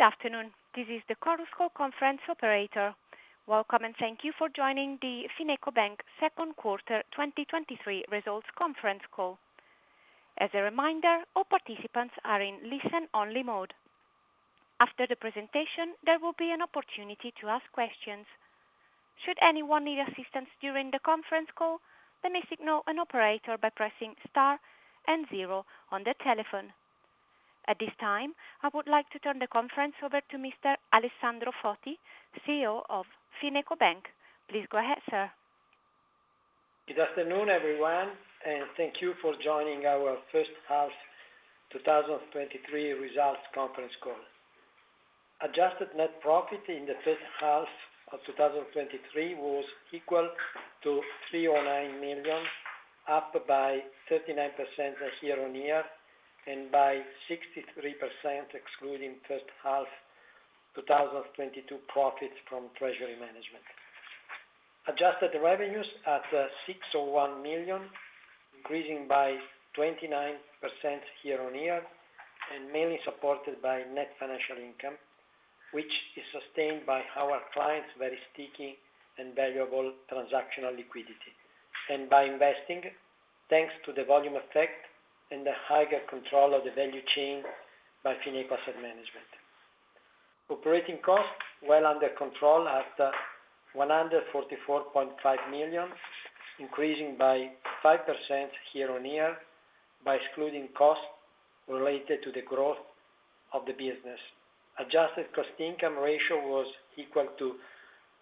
Good afternoon. This is the Chorus Call Conference operator. Welcome, and thank you for joining the FinecoBank second quarter 2023 results conference call. As a reminder, all participants are in listen-only mode. After the presentation, there will be an opportunity to ask questions. Should anyone need assistance during the conference call, let me signal an operator by pressing star and zero on the telephone. At this time, I would like to turn the conference over to Mr. Alessandro Foti, CEO of FinecoBank. Please go ahead, sir. Good afternoon, everyone, thank you for joining our first half 2023 results conference call. Adjusted net profit in the first half of 2023 was equal to 309 million, up by 39% year-on-year, by 63%, excluding first half 2022 profits from treasury management. Adjusted revenues at 601 million, increasing by 29% year-on-year, mainly supported by net financial income, which is sustained by our clients' very sticky and valuable transactional liquidity, and by investing, thanks to the volume effect and the higher control of the value chain by Fineco Asset Management. Operating costs well under control at 144.5 million, increasing by 5% year-on-year by excluding costs related to the growth of the business. Adjusted Cost Income Ratio was equal to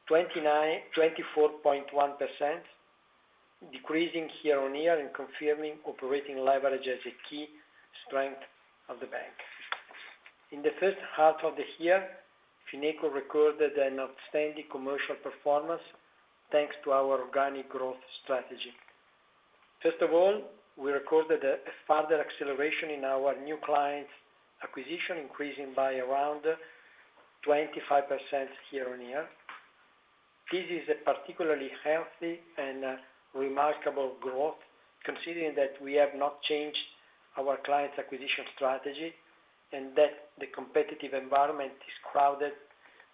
29... 24.1%, decreasing year-on-year and confirming operating leverage as a key strength of the bank. In the first half of the year, Fineco recorded an outstanding commercial performance, thanks to our organic growth strategy. First of all, we recorded a further acceleration in our new clients' acquisition, increasing by around 25% year-on-year. This is a particularly healthy and remarkable growth, considering that we have not changed our clients' acquisition strategy and that the competitive environment is crowded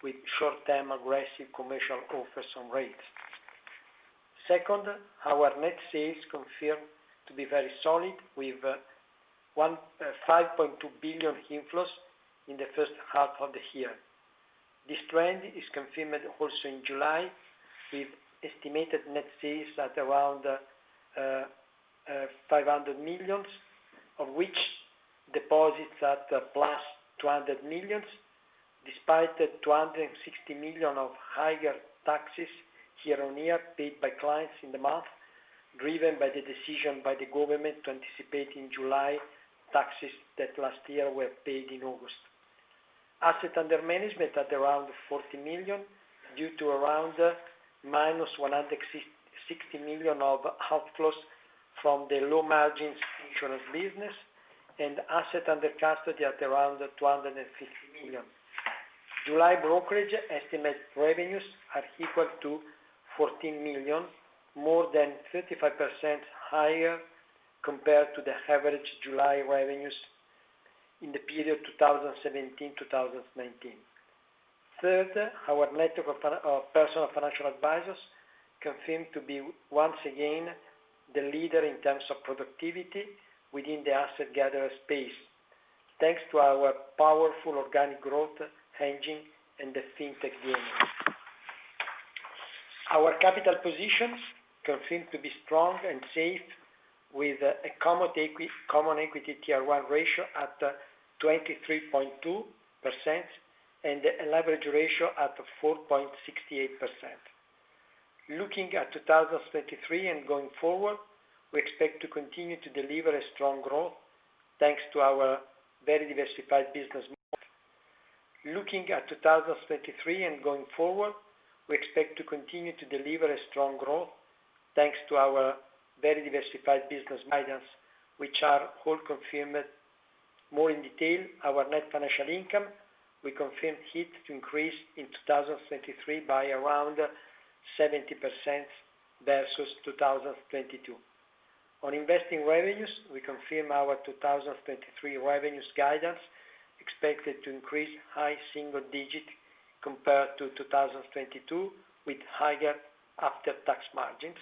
with short-term, aggressive commercial offers on rates. Second, our net sales confirmed to be very solid, with 5.2 billion inflows in the first half of the year. This trend is confirmed also in July, with estimated net sales at around 500 million, of which deposits at +200 million, despite the 260 million of higher taxes year-on-year paid by clients in the month, driven by the decision by the government to anticipate in July, taxes that last year were paid in August. Asset under management at around 40 million, due to around -160 million of outflows from the low-margin insurance business, and asset under custody at around 250 million. July brokerage estimated revenues are equal to 14 million, more than 35% higher compared to the average July revenues in the period 2017, 2019. Third, our network of personal financial advisors continued to be, once again, the leader in terms of productivity within the asset gatherer space, thanks to our powerful organic growth engine and the fintech game. Our capital positions continued to be strong and safe, with a Common Equity Tier 1 Ratio at 23.2% and a leverage ratio at 4.68%. Looking at 2023 and going forward, we expect to continue to deliver a strong growth, thanks to our very diversified business model. Looking at 2023 and going forward, we expect to continue to deliver a strong growth, thanks to our very diversified business guidance, which are all confirmed. More in detail, our net financial income, we confirm it to increase in 2023 by around 70% versus 2022. On investing revenues, we confirm our 2023 revenues guidance, expected to increase high single digit compared to 2022, with higher after-tax margins.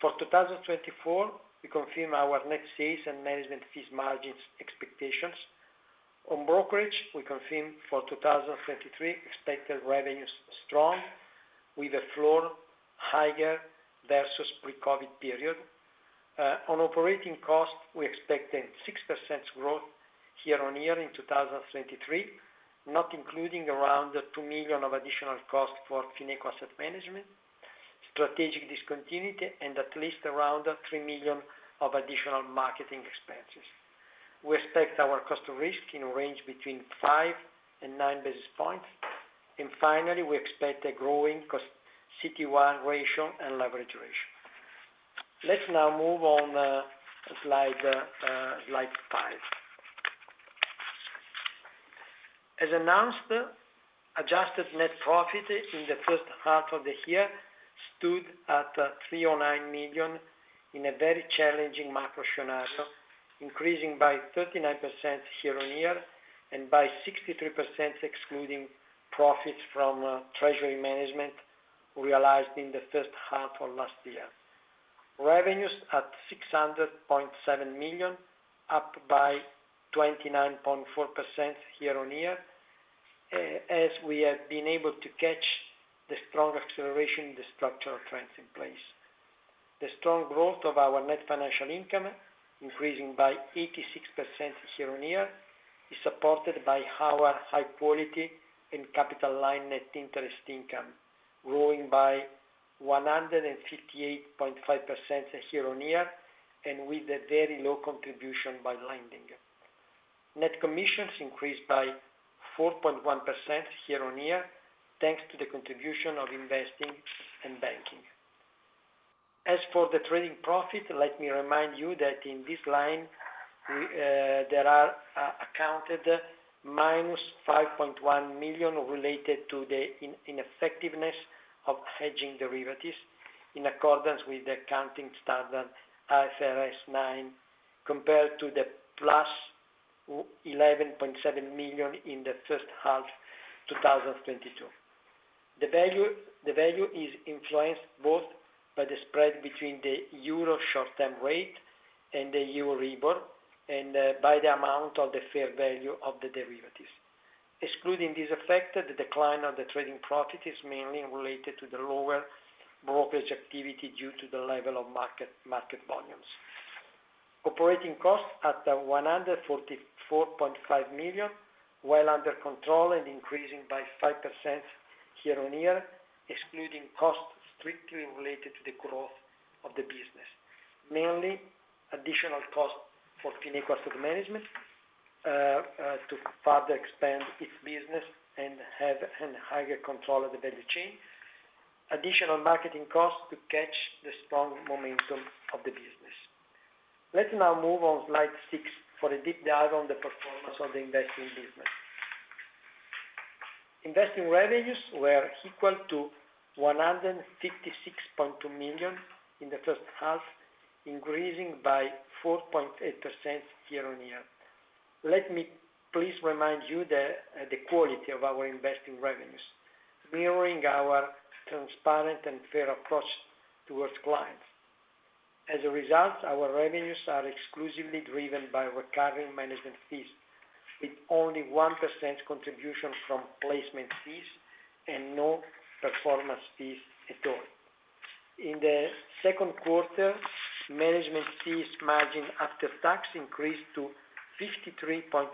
For 2024, we confirm our net sales and management fees margins expectations. On brokerage, we confirm for 2023, expected revenues strong, with a floor higher versus pre-COVID period. On operating costs, we expect a 6% growth year-on-year in 2023, not including around 2 million of additional costs for Fineco Asset Management, strategic discontinuity, and at least around 3 million of additional marketing expenses. We expect our cost to risk in a range between five and nine basis points, and finally, we expect a growing CET1 ratio and leverage ratio. Let's now move on slide five. Adjusted net profit in the first half of the year stood at 309 million in a very challenging macro scenario, increasing by 39% year-on-year, and by 63%, excluding profits from treasury management realized in the first half of last year. Revenues at 600.7 million, up by 29.4% year-on-year, as we have been able to catch the strong acceleration in the structural trends in place. The strong growth of our net financial income, increasing by 86% year-on-year, is supported by our high quality and capital line net interest income, growing by 158.5% year-on-year, and with a very low contribution by lending. Net commissions increased by 4.1% year-on-year, thanks to the contribution of investing and banking. As for the trading profit, let me remind you that in this line, we there are accounted -5.1 million related to the ineffectiveness of hedging derivatives, in accordance with the accounting standard IFRS 9, compared to the +11.7 million in the first half 2022. The value is influenced both by the spread between the Euro short-term rate and the Euribor, and by the amount of the fair value of the derivatives. Excluding this effect, the decline of the trading profit is mainly related to the lower brokerage activity, due to the level of market volumes. Operating costs at 144.5 million, while under control and increasing by 5% year-on-year, excluding costs strictly related to the growth of the business. Mainly, additional cost for Fineco Asset Management to further expand its business and have an higher control of the value chain. Additional marketing costs to catch the strong momentum of the business. Let's now move on slide six for a deep dive on the performance of the investing business. Investing revenues were equal to 156.2 million in the first half, increasing by 4.8% year-on-year. Let me please remind you the quality of our investing revenues, mirroring our transparent and fair approach towards clients. As a result, our revenues are exclusively driven by recurring management fees, with only 1% contribution from placement fees and no performance fees at all. In the second quarter, management fees margin after tax increased to 53.8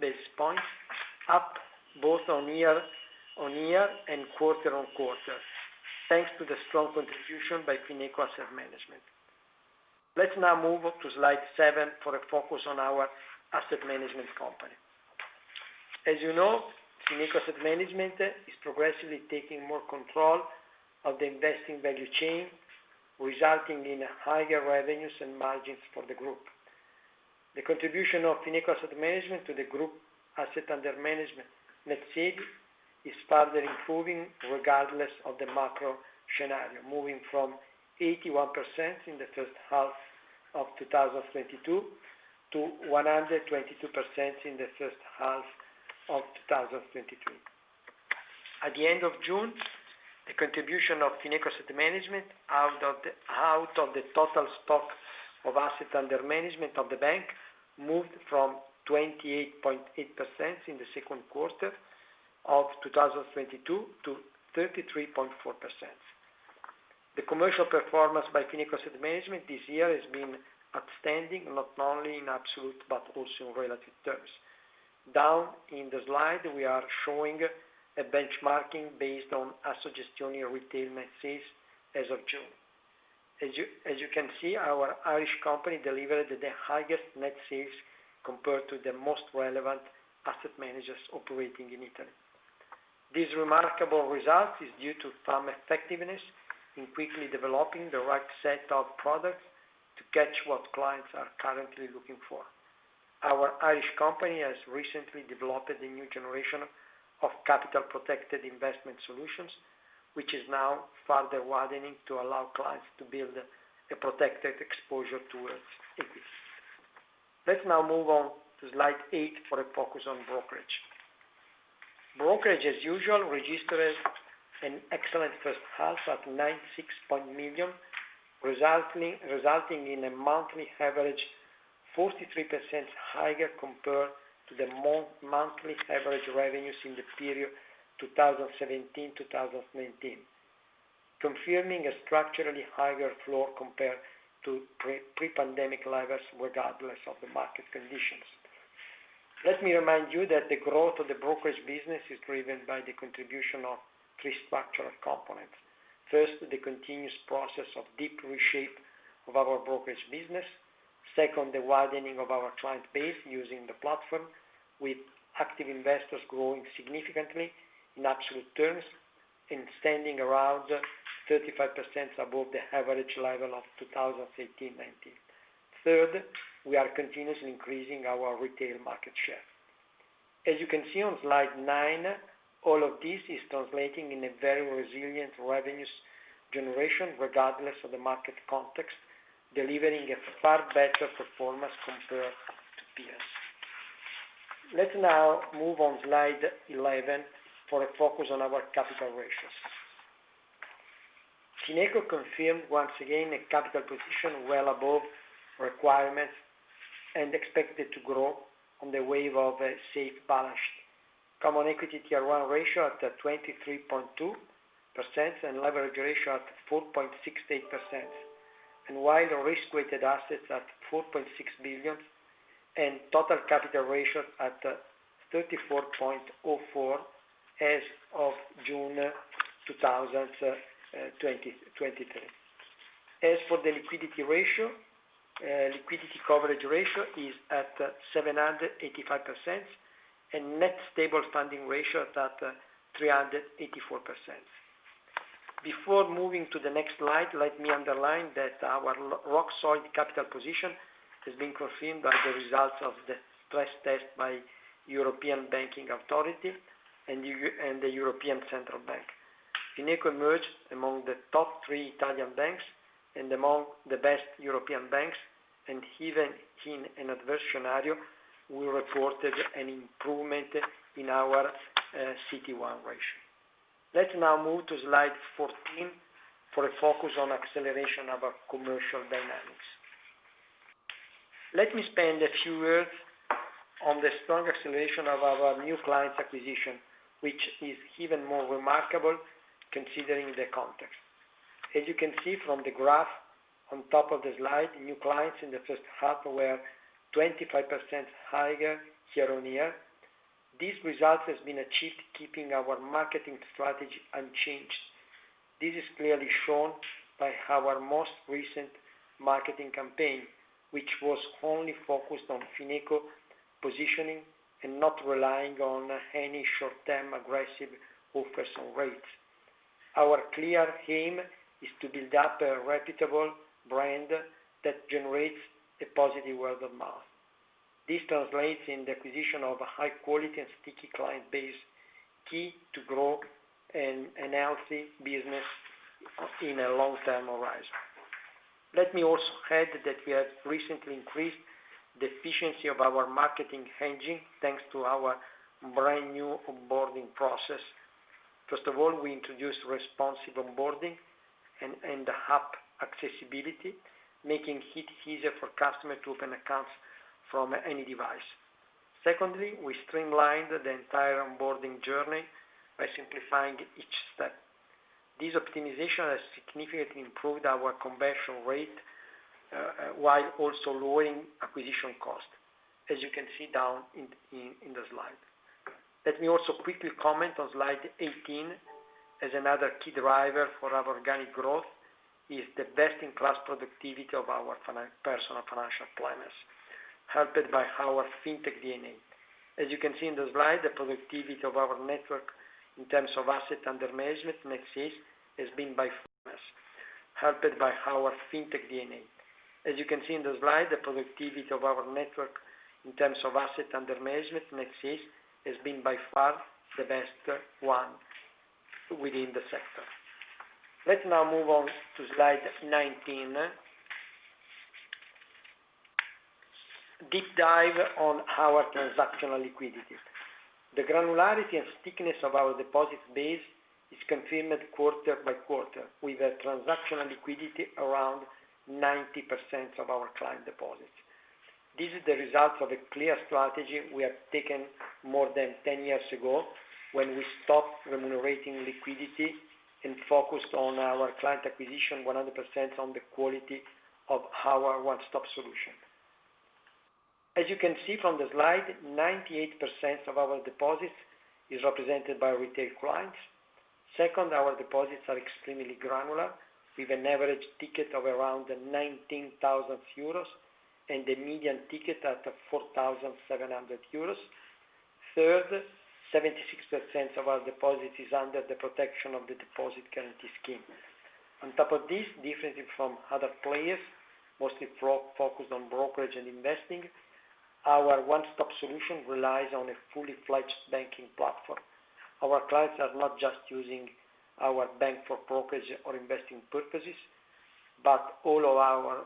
basis points, up both on year-on-year and quarter-on-quarter, thanks to the strong contribution by Fineco Asset Management. Let's now move up to slide seven for a focus on our asset management company. As you know, Fineco Asset Management is progressively taking more control of the investing value chain, resulting in higher revenues and margins for the group. The contribution of Fineco Asset Management to the group asset under management, net sales, is further improving regardless of the macro scenario, moving from 81% in the first half of 2022, to 122% in the first half of 2023. At the end of June, the contribution of Fineco Asset Management, out of the total stock of assets under management of the bank, moved from 28.8% in the 2Q of 2022, to 33.4%. The commercial performance by Fineco Asset Management this year has been outstanding, not only in absolute, but also in relative terms. Down in the slide, we are showing a benchmarking based on Assogestioni retail net sales as of June. As you can see, our Irish company delivered the highest net sales compared to the most relevant asset managers operating in Italy. This remarkable result is due to firm effectiveness in quickly developing the right set of products to catch what clients are currently looking for. Our Irish company has recently developed a new generation of capital-protected investment solutions, which is now further widening to allow clients to build a protected exposure towards it. Let's now move on to slide eight for a focus on brokerage. Brokerage, as usual, registered an excellent first half at 96 million, resulting in a monthly average 43% higher compared to the monthly average revenues in the period 2017, 2019. Confirming a structurally higher floor compared to pre-pandemic levels, regardless of the market conditions. Let me remind you that the growth of the brokerage business is driven by the contribution of three structural components. First, the continuous process of deep reshape of our brokerage business. Second, the widening of our client base using the platform, with active investors growing significantly in absolute terms, and standing around 35% above the average level of 2018, 2019. Third, we are continuously increasing our retail market share. As you can see on slide 9, all of this is translating in a very resilient revenues generation, regardless of the market context, delivering a far better performance compared to peers. Let's now move on slide 11, for a focus on our capital ratios. Fineco confirmed once again, a capital position well above requirements, and expected to grow on the wave of a safe balance sheet. Common Equity Tier 1 Ratio at 23.2%, and leverage ratio at 4.68%. While risk-weighted assets at 4.6 billion, and total capital ratio at 34.04% as of June 2023. As for the liquidity ratio, liquidity coverage ratio is at 785%, and Net Stable Funding Ratio is at 384%. Before moving to the next slide, let me underline that our rock-solid capital position has been confirmed by the results of the stress test by European Banking Authority and the European Central Bank. Fineco emerged among the top three Italian banks, and among the best European banks, and even in an adverse scenario, we reported an improvement in our CET1 ratio. Let's now move to slide 14, for a focus on acceleration of our commercial dynamics. Let me spend a few words on the strong acceleration of our new clients acquisition, which is even more remarkable considering the context. As you can see from the graph on top of the slide, new clients in the first half were 25% higher year-on-year. This result has been achieved keeping our marketing strategy unchanged. This is clearly shown by our most recent marketing campaign, which was only focused on Fineco positioning and not relying on any short-term aggressive offers or rates. Our clear aim is to build up a reputable brand that generates a positive word of mouth. This translates in the acquisition of a high quality and sticky client base, key to grow a healthy business in a long-term horizon. Let me also add that we have recently increased the efficiency of our marketing engine, thanks to our brand new onboarding process. First of all, we introduced responsive onboarding and app accessibility, making it easier for customers to open accounts from any device. Secondly, we streamlined the entire onboarding journey by simplifying each step. This optimization has significantly improved our conversion rate, while also lowering acquisition cost, as you can see down in the slide. Let me also quickly comment on slide 18, as another key driver for our organic growth, is the best-in-class productivity of our personal financial planners, helped by our fintech DNA. As you can see in the slide, the productivity of our network in terms of assets under management, net sales, has been by far helped by our fintech DNA. As you can see in the slide, the productivity of our network in terms of assets under management, net sales, has been by far the best one within the sector. Let's now move on to slide 19. Deep dive on our transactional liquidity. The granularity and stickiness of our deposits base is confirmed quarter by quarter, with a transactional liquidity around 90% of our client deposits. This is the result of a clear strategy we have taken more than 10 years ago, when we stopped remunerating liquidity and focused on our client acquisition 100% on the quality of our one-stop solution. As you can see from the slide, 98% of our deposits is represented by retail clients. Second, our deposits are extremely granular, with an average ticket of around 19,000 euros, and a median ticket at 4,700 euros. Third, 76% of our deposits is under the protection of the deposit guarantee scheme. On top of this, differently from other players, mostly focused on brokerage and investing, our one-stop solution relies on a fully-fledged banking platform. Our clients are not just using our bank for brokerage or investing purposes, but all of our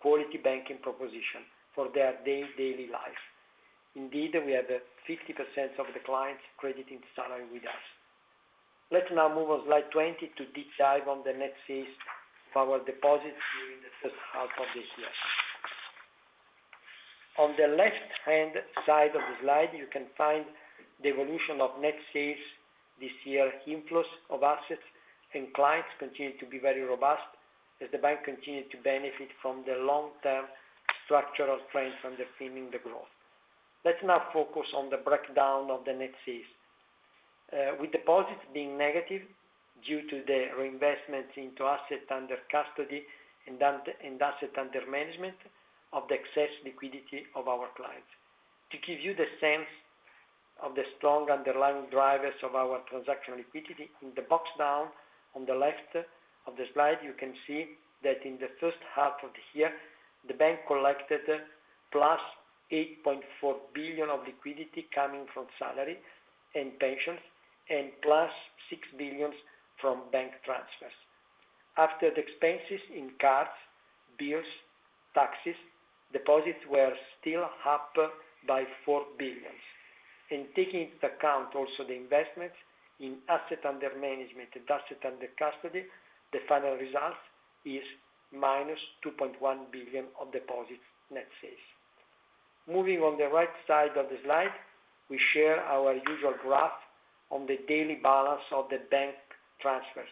quality banking proposition for their daily life. Indeed, we have 50% of the clients crediting salary with us. Let's now move on slide 20 to deep dive on the net sales of our deposits during the first half of this year. On the left-hand side of the slide, you can find the evolution of net sales this year. Inflow of assets and clients continue to be very robust, as the bank continued to benefit from the long-term structural trends underpinning the growth. Let's now focus on the breakdown of the net sales. With deposits being negative due to the reinvestments into assets under custody and under, and assets under management of the excess liquidity of our clients. In the box down on the left of the slide, you can see that in the first half of the year, the bank collected +8.4 billion of liquidity coming from salary and pensions, and +6 billion from bank transfers. After the expenses in cards, bills, taxes, deposits were still up by 4 billion. In taking into account also the investments in asset under management and asset under custody, the final result is -2.1 billion of deposits net sales. Moving on the right side of the slide, we share our usual graph on the daily balance of the bank transfers.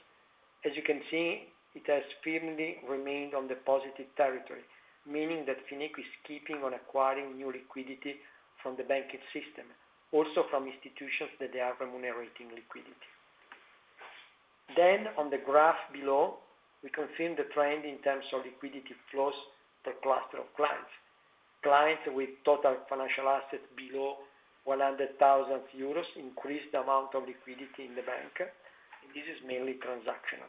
As you can see, it has firmly remained on the positive territory, meaning that Fineco is keeping on acquiring new liquidity from the banking system, also from institutions that they are remunerating liquidity. On the graph below, we confirm the trend in terms of liquidity flows per cluster of clients. Clients with total financial assets below 100,000 euros increased the amount of liquidity in the bank, and this is mainly transactional.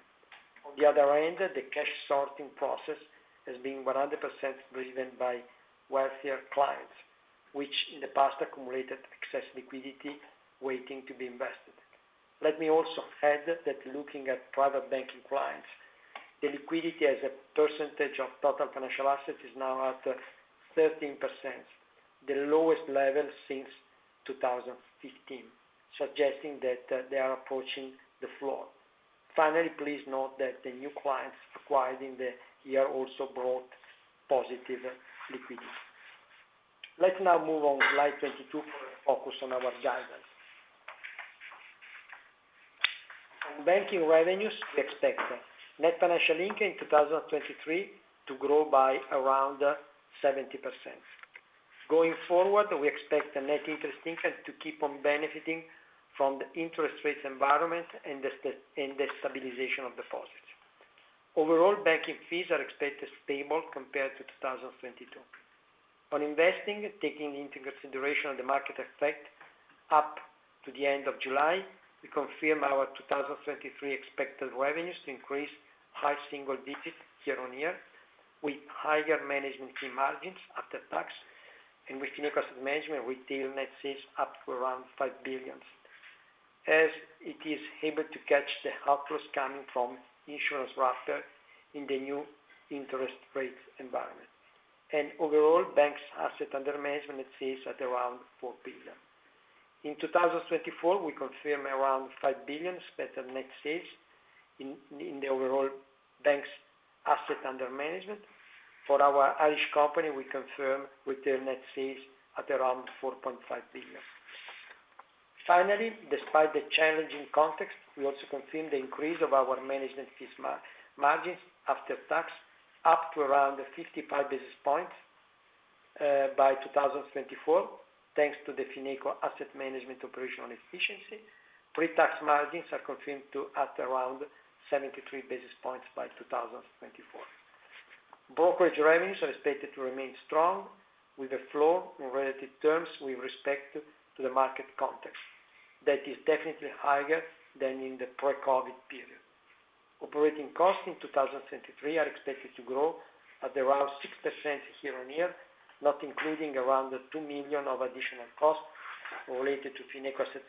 On the other hand, the cash sorting process has been 100% driven by wealthier clients, which in the past accumulated excess liquidity waiting to be invested. Let me also add that looking at private banking clients, the liquidity as a percentage of total financial assets is now at 13%, the lowest level since 2015, suggesting that they are approaching the floor. Finally, please note that the new clients acquired in the year also brought positive liquidity. Let's now move on with slide 22 for focus on our guidance. On banking revenues, we expect net financial income in 2023 to grow by around 70%. Going forward, we expect the Net Interest Income to keep on benefiting from the interest rates environment and the stabilization of deposits. Overall, banking fees are expected stable compared to 2022. On investing, taking into consideration the market effect, up to the end of July, we confirm our 2023 expected revenues to increase high single digits year-on-year, with higher management fees margin after tax, and with Fineco Asset Management, retail net sales up to around 5 billion. As it is able to catch the outflows coming from insurance wrapper in the new interest rate environment. Overall, banks asset under management stays at around 4 billion. In 2024, we confirm around 5 billion expected net sales in the overall banks asset under management. For our Irish company, we confirm with their net sales at around 4.5 billion. Finally, despite the challenging context, we also confirm the increase of our management fees margin after tax, up to around 55 basis points by 2024, thanks to the Fineco Asset Management operational efficiency. Pre-tax margins are confirmed to at around 73 basis points by 2024. Brokerage revenues are expected to remain strong, with a flow in relative terms with respect to the market context that is definitely higher than in the pre-COVID period. Operating costs in 2023 are expected to grow at around 6% year-on-year, not including around the 2 million of additional costs related to Fineco Asset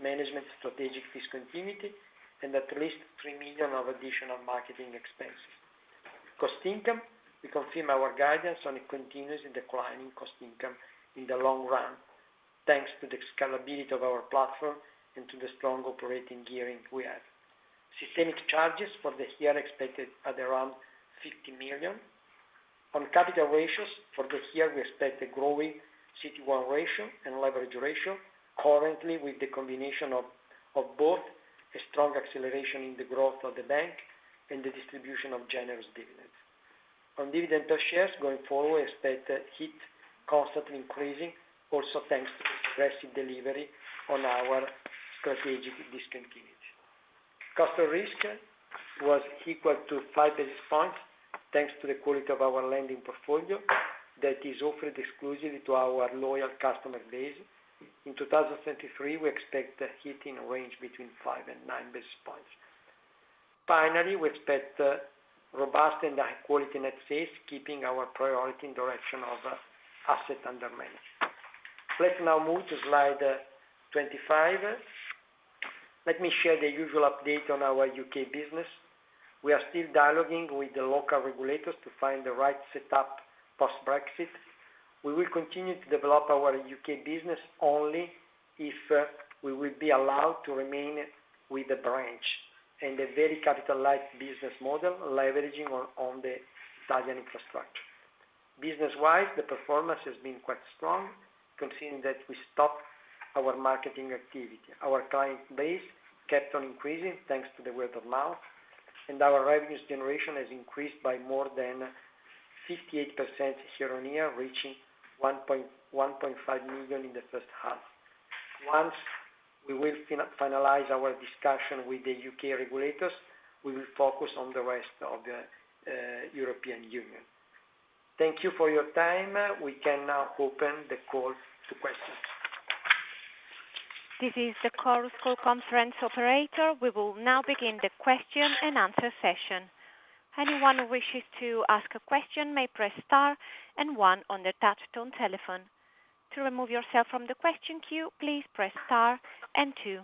Management strategic discontinuity, and at least 3 million of additional marketing expenses. Cost Income, we confirm our guidance on a continuously declining Cost Income in the long run, thanks to the scalability of our platform and to the strong operating gearing we have. Systemic charges for the year expected at around 50 million. On capital ratios, for the year, we expect a growing CET1 ratio and leverage ratio, currently with the combination of both a strong acceleration in the growth of the bank and the distribution of generous dividends. On dividend per shares, going forward, we expect it constantly increasing, also thanks to progressive delivery on our strategic discontinued. Customer risk was equal to five basis points, thanks to the quality of our lending portfolio that is offered exclusively to our loyal customer base. In 2023, we expect it hitting a range between five and nine basis points. Finally, we expect robust and high-quality net sales, keeping our priority in direction of asset under management. Let's now move to slide 25. Let me share the usual update on our U.K. business. We are still dialoguing with the local regulators to find the right setup post-Brexit. We will continue to develop our U.K. business only if we will be allowed to remain with the branch, and a very capital light business model, leveraging on the Italian infrastructure. Business-wise, the performance has been quite strong, considering that we stopped our marketing activity. Our client base kept on increasing, thanks to the word of mouth, and our revenues generation has increased by more than 58% year-on-year, reaching 1.5 million in the first half. Once we will finalize our discussion with the U.K. regulators, we will focus on the rest of the European Union. Thank you for your time. We can now open the call to questions. This is the Chorus Call Conference operator. We will now begin the question and answer session. Anyone who wishes to ask a question may press star and one on the touch-tone telephone. To remove yourself from the question queue, please press star and two.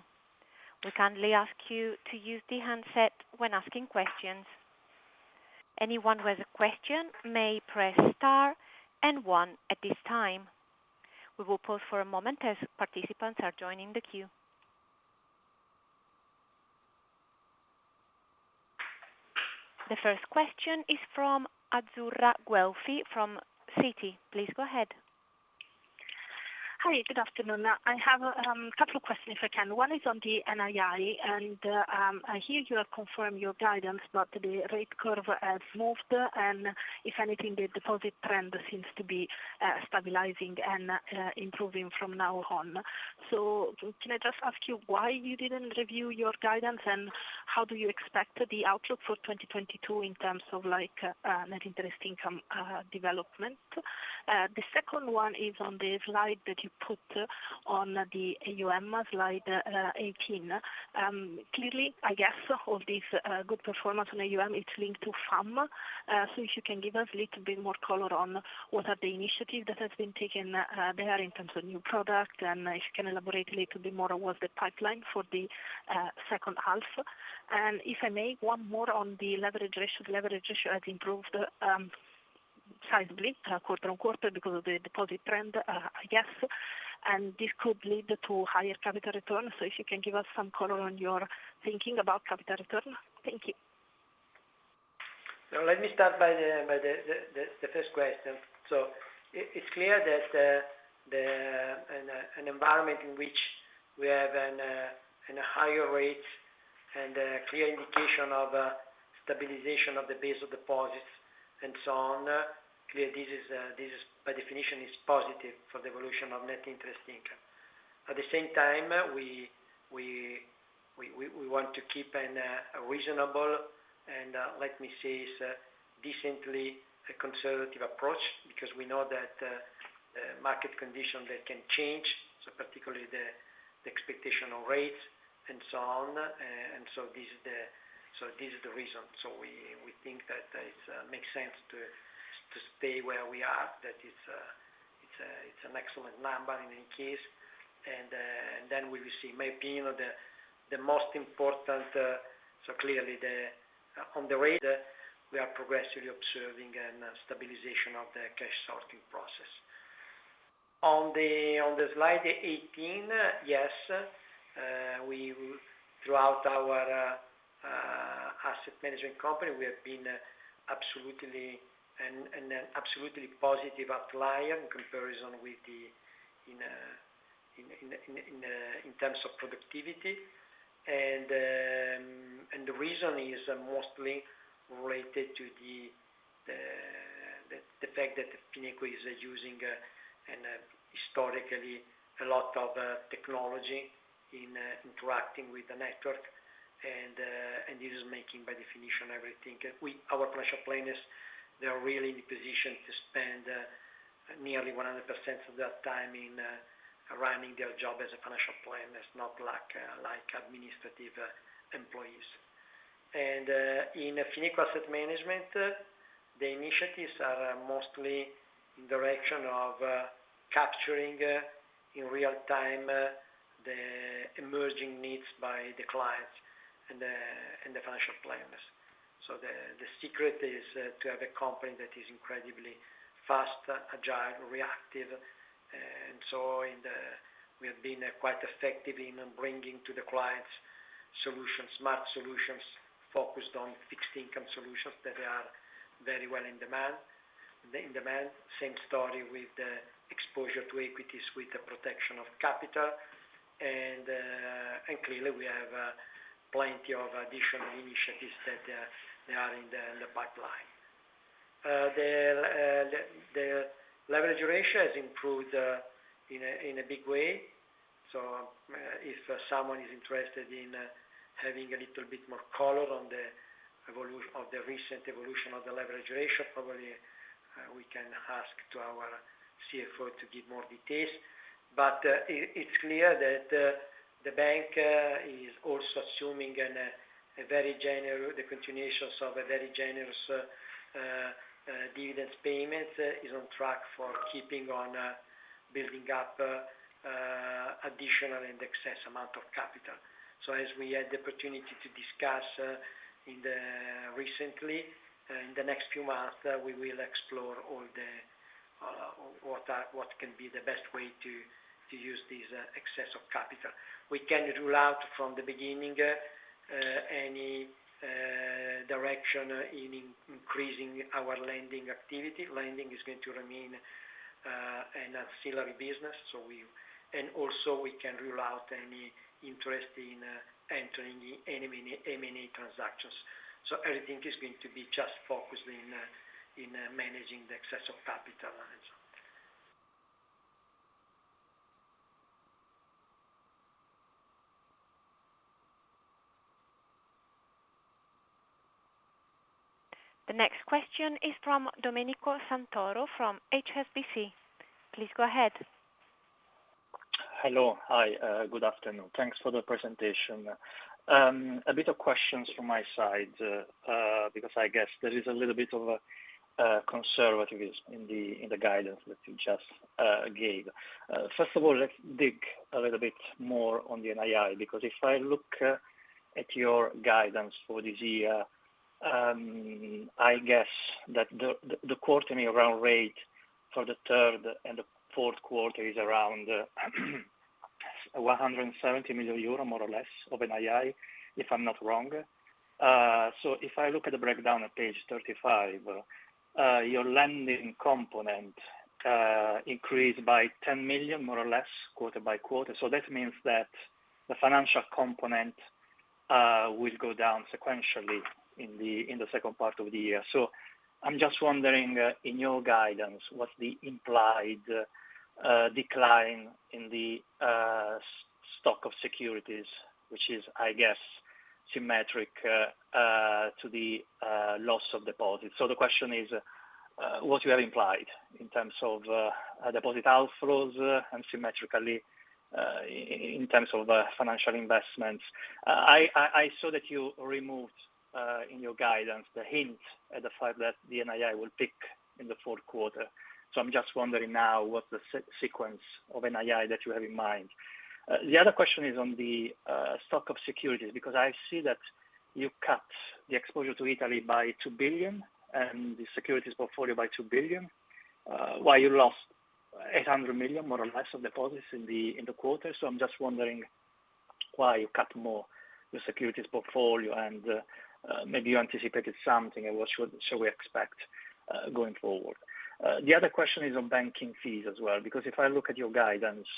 We kindly ask you to use the handset when asking questions. Anyone who has a question may press star and one at this time. We will pause for a moment as participants are joining the queue. The first question is from Azzurra Guelfi, from Citi. Please go ahead. Hi, good afternoon. I have a couple of questions, if I can. One is on the NII. I hear you have confirmed your guidance, but the rate curve has moved, and if anything, the deposit trend seems to be stabilizing and improving from now on. Can I just ask you why you didn't review your guidance, and how do you expect the outlook for 2022 in terms of like net interest income development? The second one is on the slide that you put on the AUM, slide 18. Clearly, I guess, all this good performance on AUM is linked to FAM. If you can give us a little bit more color on what are the initiatives that has been taken there in terms of new product, and if you can elaborate a little bit more on what the pipeline for the second half? If I may, one more on the leverage ratio. Leverage ratio has improved sizably quarter-on-quarter because of the deposit trend, I guess, and this could lead to higher capital return. If you can give us some color on your thinking about capital return. Thank you. Let me start by the first question. It's clear that an environment in which we have an higher rate and a clear indication of stabilization of the base of deposits and so on. Clearly, this is by definition, is positive for the evolution of Net Interest Income. At the same time, we want to keep a reasonable, and let me say, is a decently conservative approach, because we know that market conditions, they can change, so particularly the expectational rates and so on. So this is the reason. We, we think that it makes sense to, to stay where we are, that it's, it's a, it's an excellent number in any case, and then we will see. My opinion, the, the most important, so clearly the, on the rate, we are progressively observing an stabilization of the cash sorting process. On the, on the slide 18, yes, we will throughout our asset management company, we have been absolutely an, an absolutely positive outlier in comparison with the, in, in, in, in terms of productivity. The reason is mostly related to the, the, the, the fact that Fineco is using an historically, a lot of technology in interacting with the network, and this is making by definition, everything. Our financial planners, they are really in the position to spend nearly 100% of their time in running their job as a financial planner, not like like administrative employees. In Fineco Asset Management, the initiatives are mostly in direction of capturing in real time the emerging needs by the clients and the and the financial planners. The secret is to have a company that is incredibly fast, agile, reactive. We have been quite effective in bringing to the clients solutions, smart solutions, focused on fixed income solutions that are very well in demand, in demand. Same story with the exposure to equities, with the protection of capital. Clearly, we have plenty of additional initiatives that they are in the pipeline. The leverage ratio has improved in a big way. If someone is interested in having a little bit more color on the evolu- of the recent evolution of the leverage ratio, probably, we can ask to our CFO to give more details. It's clear that the bank is also assuming an a very gener-- the continuations of a very generous dividends payments. Is on track for keeping on building up additional and excess amount of capital. As we had the opportunity to discuss in the recently, in the next few months, we will explore all the what are, what can be the best way to use this excess of capital. We can rule out from the beginning, any direction in increasing our lending activity. Lending is going to remain an ancillary business. Also we can rule out any interest in entering any M&A transactions. Everything is going to be just focused in managing the excess of capital. The next question is from Domenico Santoro from HSBC. Please go ahead. Hello. Hi, good afternoon. Thanks for the presentation. A bit of questions from my side, because I guess there is a little bit of conservatism in the guidance that you just gave. First of all, let's dig a little bit more on the NII, because if I look at your guidance for this year, I guess that the quarterly run rate for the third and the fourth quarter is around 170 million euro, more or less, of NII, if I'm not wrong. If I look at the breakdown on page 35, your lending component increased by 10 million, more or less, quarter by quarter. That means that the financial component will go down sequentially in the second part of the year. I'm just wondering, in your guidance, what's the implied decline in the stock of securities, which is, I guess, symmetric to the loss of deposits? The question is, what you have implied in terms of deposit outflows, and symmetrically in terms of financial investments. I, I, I saw that you removed, in your guidance, the hint at the fact that the NII will pick in the fourth quarter. I'm just wondering now what the sequence of NII that you have in mind. The other question is on the stock of securities, because I see that you cut the exposure to Italy by 2 billion, and the securities portfolio by 2 billion, while you lost 800 million, more or less, of deposits in the, in the quarter. I'm just wondering why you cut more the securities portfolio, and maybe you anticipated something, and what should we expect going forward? The other question is on banking fees as well, because if I look at your guidance,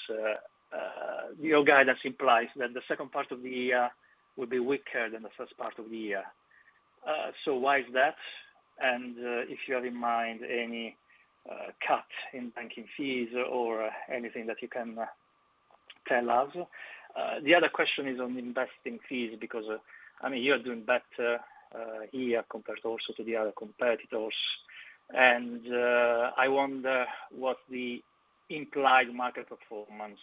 your guidance implies that the second part of the year will be weaker than the first part of the year. Why is that? And if you have in mind any cut in banking fees or anything that you can tell us. The other question is on investing fees, because, I mean, you are doing better here compared also to the other competitors. I wonder what the implied market performance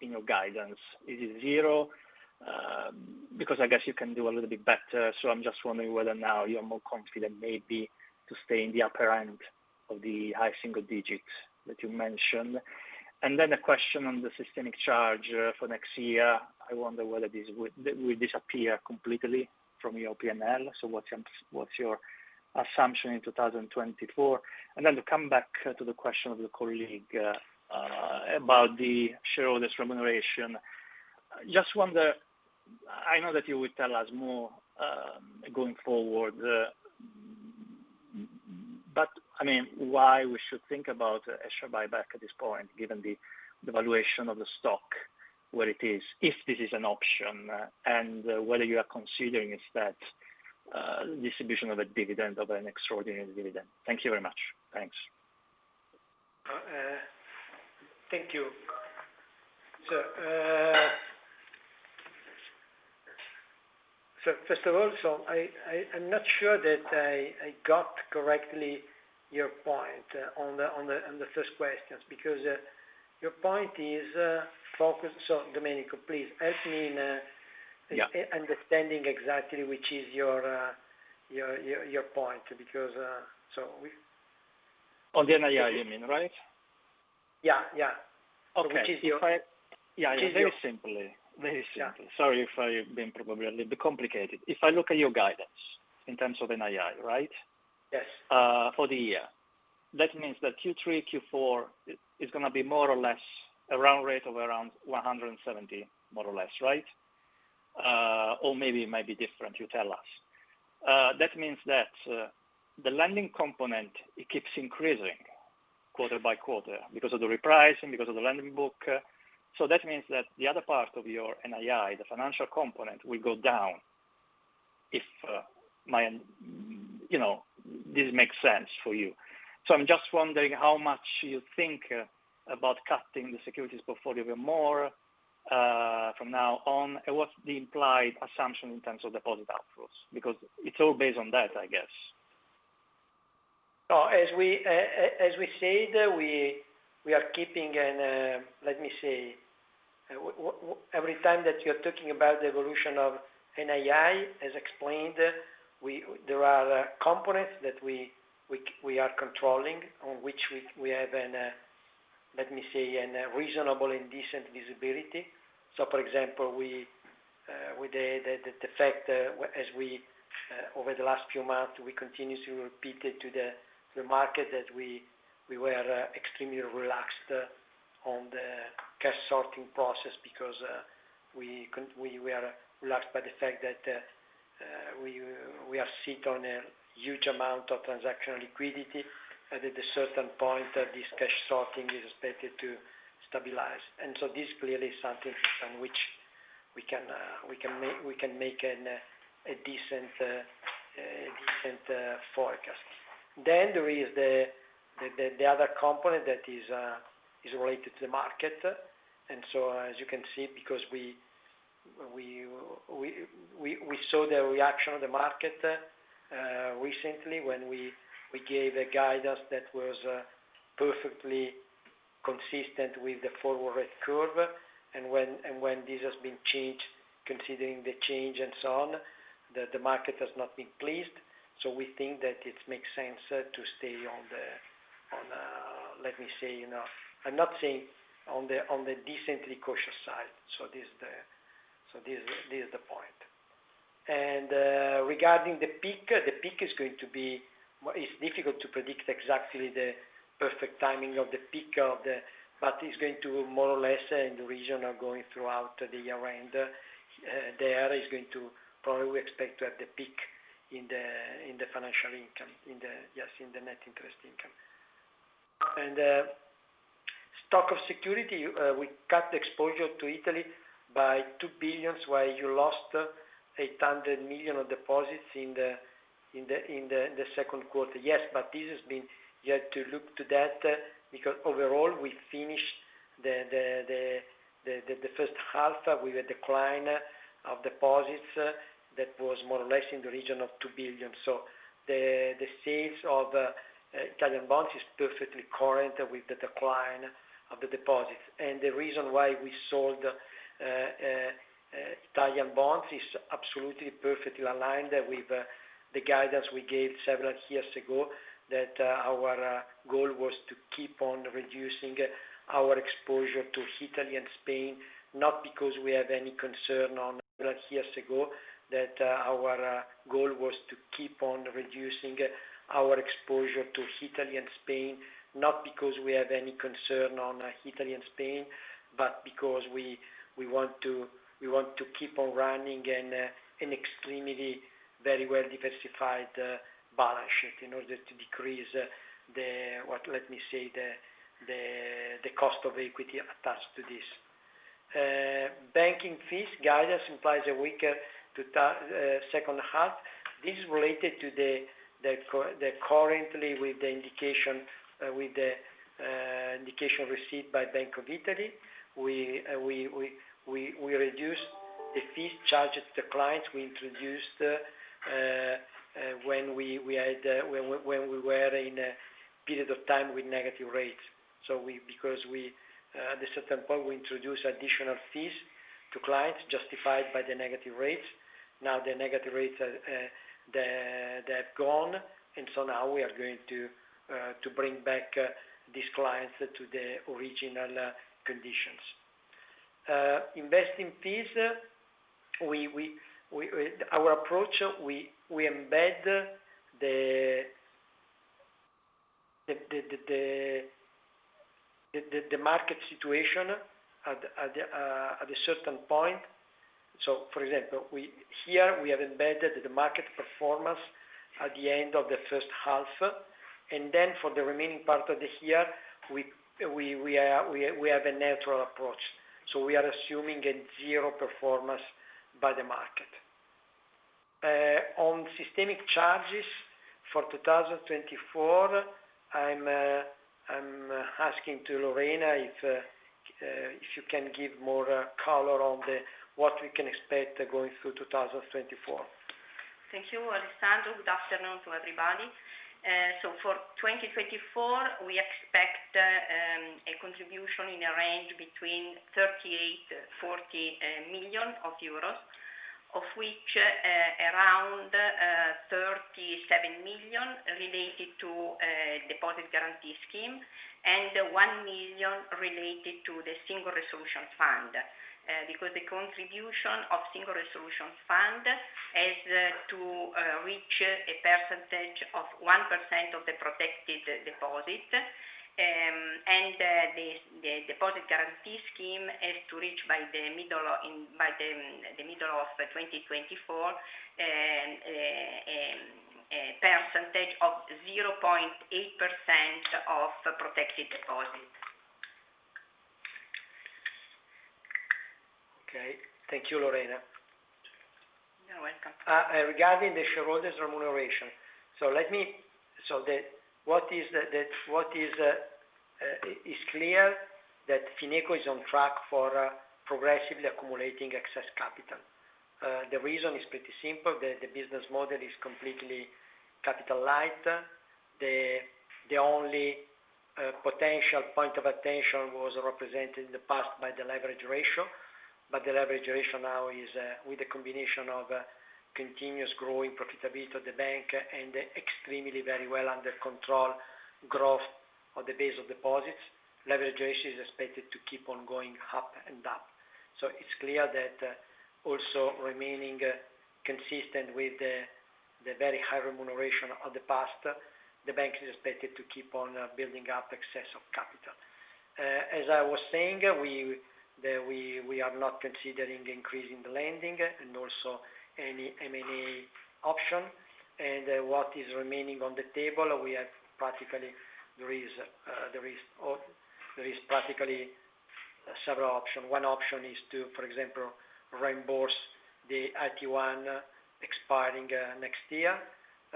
in your guidance. Is it zero? Because I guess you can do a little bit better. I'm just wondering whether now you're more confident maybe to stay in the upper end of the high single digits that you mentioned. A question on the systemic charge for next year. I wonder whether this will disappear completely from your P&L. What's your, what's your assumption in 2024? To come back to the question of the colleague about the shareholders' remuneration. Just wonder, I know that you will tell us more going forward, but why we should think about extra buyback at this point, given the, the valuation of the stock, where it is, if this is an option, and whether you are considering is that distribution of a dividend of an extraordinary dividend? Thank you very much. Thanks. Thank you. First of all, so I, I, I'm not sure that I, I got correctly your point, on the, on the, on the first questions, because, your point is, focused. Domenico, please help me in- Yeah. Understanding exactly, which is your, your, your, your point, because, so we- On the NII, you mean, right? Yeah, yeah. Okay. Which is your- Yeah, very simply. Very simply, yeah. Sorry, if I've been probably a little bit complicated. If I look at your guidance in terms of NII, right? Yes. For the year, that means that Q3, Q4 is, is going to be more or less around rate of around 170, more or less, right? Or maybe it might be different, you tell us. That means that the lending component, it keeps increasing quarter by quarter because of the repricing, because of the lending book. That means that the other part of your NII, the financial component, will go down if, you know, this makes sense for you. I'm just wondering how much you think about cutting the securities portfolio even more, from now on, and what's the implied assumption in terms of deposit outflows? Because it's all based on that, I guess. As we, as we said, we, we are keeping an. Let me say, every time that you're talking about the evolution of NII, as explained, we. There are components that we, we, we are controlling, on which we, we have a, let me say, a reasonable and decent visibility. For example, we, with the, the, the fact, as we, over the last few months, we continued to repeat it to the, the market that we, we were extremely relaxed on the cash sorting process because we were relaxed by the fact that we are sit on a huge amount of transactional liquidity, and at a certain point, this cash sorting is expected to stabilize. This clearly is something on which we can, we can make an, a decent, and, forecast. There is the, the, the other component that is related to the market. As you can see, because we, we, we, we, we saw the reaction of the market recently when we, we gave a guidance that was perfectly consistent with the forward rate curve. When, and when this has been changed, considering the change and so on, the, the market has not been pleased. We think that it makes sense to stay on the, on, let me say, you know... I'm not saying on the, on the decently cautious side. This is the, so this is, this is the point. Regarding the peak, the peak is going to be, well, it's difficult to predict exactly the perfect timing of the peak of the but it's going to more or less in the region of going throughout the year end. There is going to probably we expect to have the peak in the financial income, in the, yes, in the Net Interest Income. Stock of security, we cut the exposure to Italy by 2 billion, while you lost 800 million of deposits in the second quarter. Yes, but this has been, you have to look to that, because overall, we finished the first half with a decline of deposits that was more or less in the region of 2 billion. The, the sales of Italian bonds is perfectly current with the decline of the deposits. The reason why we sold Italian bonds is absolutely perfectly aligned with the guidance we gave several years ago, that our goal was to keep on reducing our exposure to Italy and Spain, not because we have any concern on several years ago, that our goal was to keep on reducing our exposure to Italy and Spain, not because we have any concern on Italy and Spain, but because we, we want to, we want to keep on running in an extremely, very well diversified balance sheet in order to decrease the, what, let me say, the, the, the cost of equity attached to this. Banking fees guidance implies a weaker two thou- second half. This is related to the, the currently with the indication, with the indication received by Bank of Italy. We, we, we, we reduced the fees charged to the clients. We introduced, when we had, when we were in a period of time with negative rates. We, because we, at a certain point, we introduced additional fees to clients justified by the negative rates. Now, the negative rates are, they're, they're gone, so now we are going to bring back these clients to the original conditions. Investing fees, we, we, we, our approach, we, we embed the, the, the, the, the, the, the market situation at, at the, at a certain point. So for example, we... Here, we have embedded the market performance at the end of the first half, and then for the remaining part of the year, we, we, we are, we, we have a natural approach. We are assuming a zero performance by the market. On systemic charges for 2024, I'm asking to Lorena if, if you can give more color on the, what we can expect going through 2024. Thank you, Alessandro. Good afternoon to everybody. For 2024, we expect a contribution in a range between 38 million-40 million euros, of which around 37 million related to deposit guarantee scheme, and 1 million related to the Single Resolution Fund. The contribution of Single Resolution Fund has to reach a percentage of 1% of the protected deposit. The deposit guarantee scheme has to reach by the middle of 2024 a percentage of 0.8% of protected deposit. Okay. Thank you, Lorena. You're welcome. Regarding the shareholders remuneration. So the, what is the, the, what is is clear that Fineco is on track for progressively accumulating excess capital. The reason is pretty simple. The business model is completely capital light. The only potential point of attention was represented in the past by the leverage ratio, but the leverage ratio now is with a combination of continuous growing profitability of the bank and extremely very well under control growth on the base of deposits. Leverage ratio is expected to keep on going up and up. It's clear that, also remaining consistent with the very high remuneration of the past, the bank is expected to keep on building up excess of capital. As I was saying, we, the, we, we are not considering increasing the lending and also any M&A option. What is remaining on the table, we have practically there is, there is, or there is several options. One option is to, for example, reimburse the AT1 expiring next year.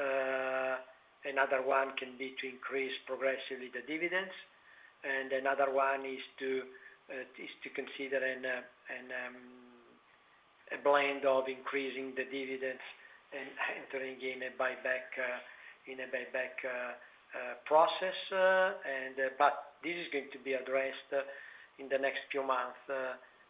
Another one can be to increase progressively the dividends, and another one is to is to consider an an a blend of increasing the dividends and entering in a buyback in a buyback process. This is going to be addressed in the next few months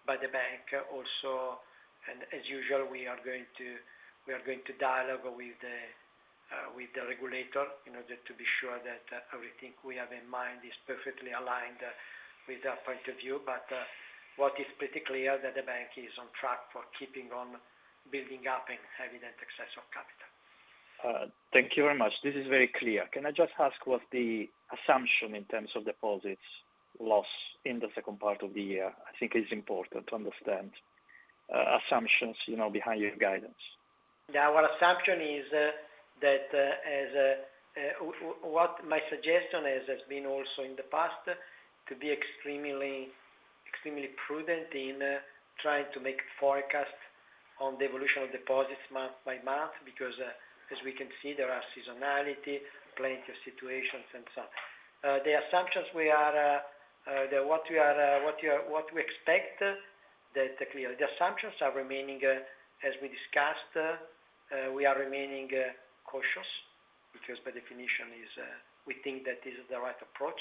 by the bank also. As usual, we are going to dialogue with the regulator in order to be sure that everything we have in mind is perfectly aligned with their point of view. What is pretty clear, that the bank is on track for keeping on building up an evident success of capital. Thank you very much. This is very clear. Can I just ask what the assumption in terms of deposits loss in the second part of the year? I think it's important to understand assumptions, you know, behind your guidance. Yeah. Our assumption is that, as, w- what my suggestion is, has been also in the past, to be extremely, extremely prudent in trying to make forecasts on the evolution of deposits month by month, because, as we can see, there are seasonality, plenty of situations and so on. The assumptions we are, the what we are, what you are, what we expect, the, the clear... The assumptions are remaining as we discussed, we are remaining cautious, because by definition is, we think that this is the right approach.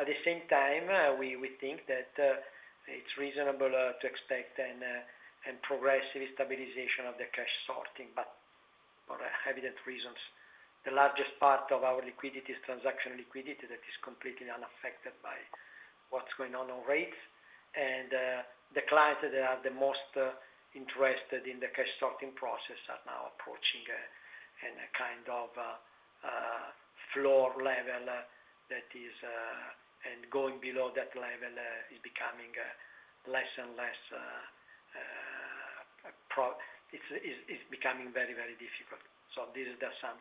At the same time, we, we think that it's reasonable to expect an progressive stabilization of the cash sorting, but for evident reasons. The largest part of our liquidity is transaction liquidity, that is completely unaffected by what's going on on rates. The clients that are the most interested in the cash sorting process are now approaching a kind of floor level that is. Going below that level is becoming less and less. It's becoming very, very difficult. This is the sum.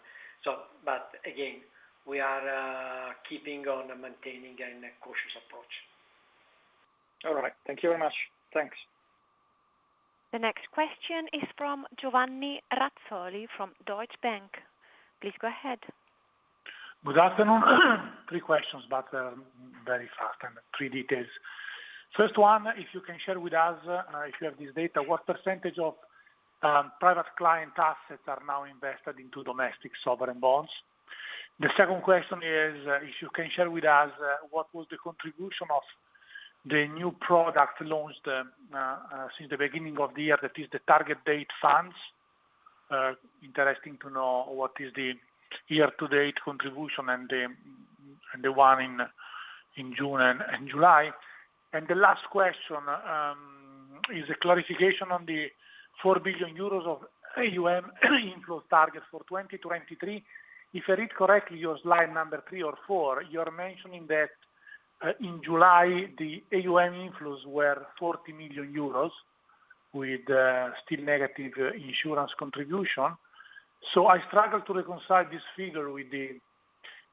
Again, we are keeping on maintaining a cautious approach. All right. Thank you very much. Thanks. The next question is from Giovanni Razzoli from Deutsche Bank. Please go ahead. Good afternoon. Three questions, very fast and three details. First one, if you can share with us, if you have this data, what percentage of private client assets are now invested into domestic sovereign bonds? The second question is, if you can share with us, what was the contribution of the new product launched since the beginning of the year, that is the Target Date Funds. Interesting to know what is the year-to-date contribution and the, and the one in, in June and, and July. The last question is a clarification on the 4 billion euros of AUM inflows target for 2023. If I read correctly, your slide number 3 or 4, you're mentioning that, in July, the AUM inflows were 40 million euros, with still negative insurance contribution. I struggle to reconcile this figure with the,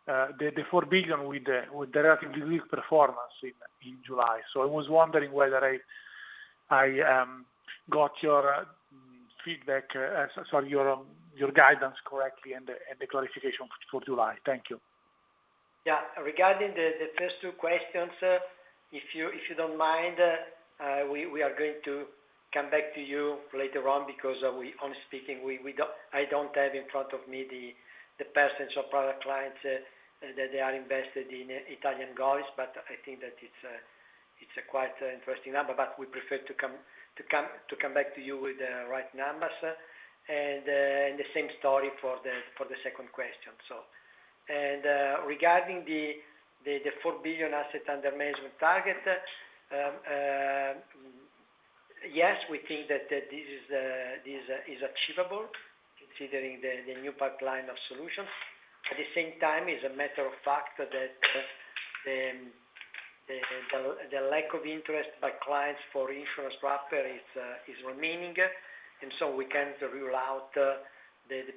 the, the 4 billion with the, with the relatively weak performance in, in July. I was wondering whether I, I, got your feedback, sorry, your, your guidance correctly and the, and the clarification for July. Thank you. Yeah. Regarding the first two questions, if you, if you don't mind, we are going to come back to you later on because, honestly speaking, I don't have in front of me the percentage of product clients that they are invested in Italian goals, but I think that it's a quite interesting number. We prefer to come, to come, to come back to you with the right numbers, and the same story for the second question. Regarding the 4 billion assets under management target, yes, we think that this is achievable considering the new pipeline of solutions. At the same time, it's a matter of fact that the lack of interest by clients for insurance wrapper is remaining. We can't rule out the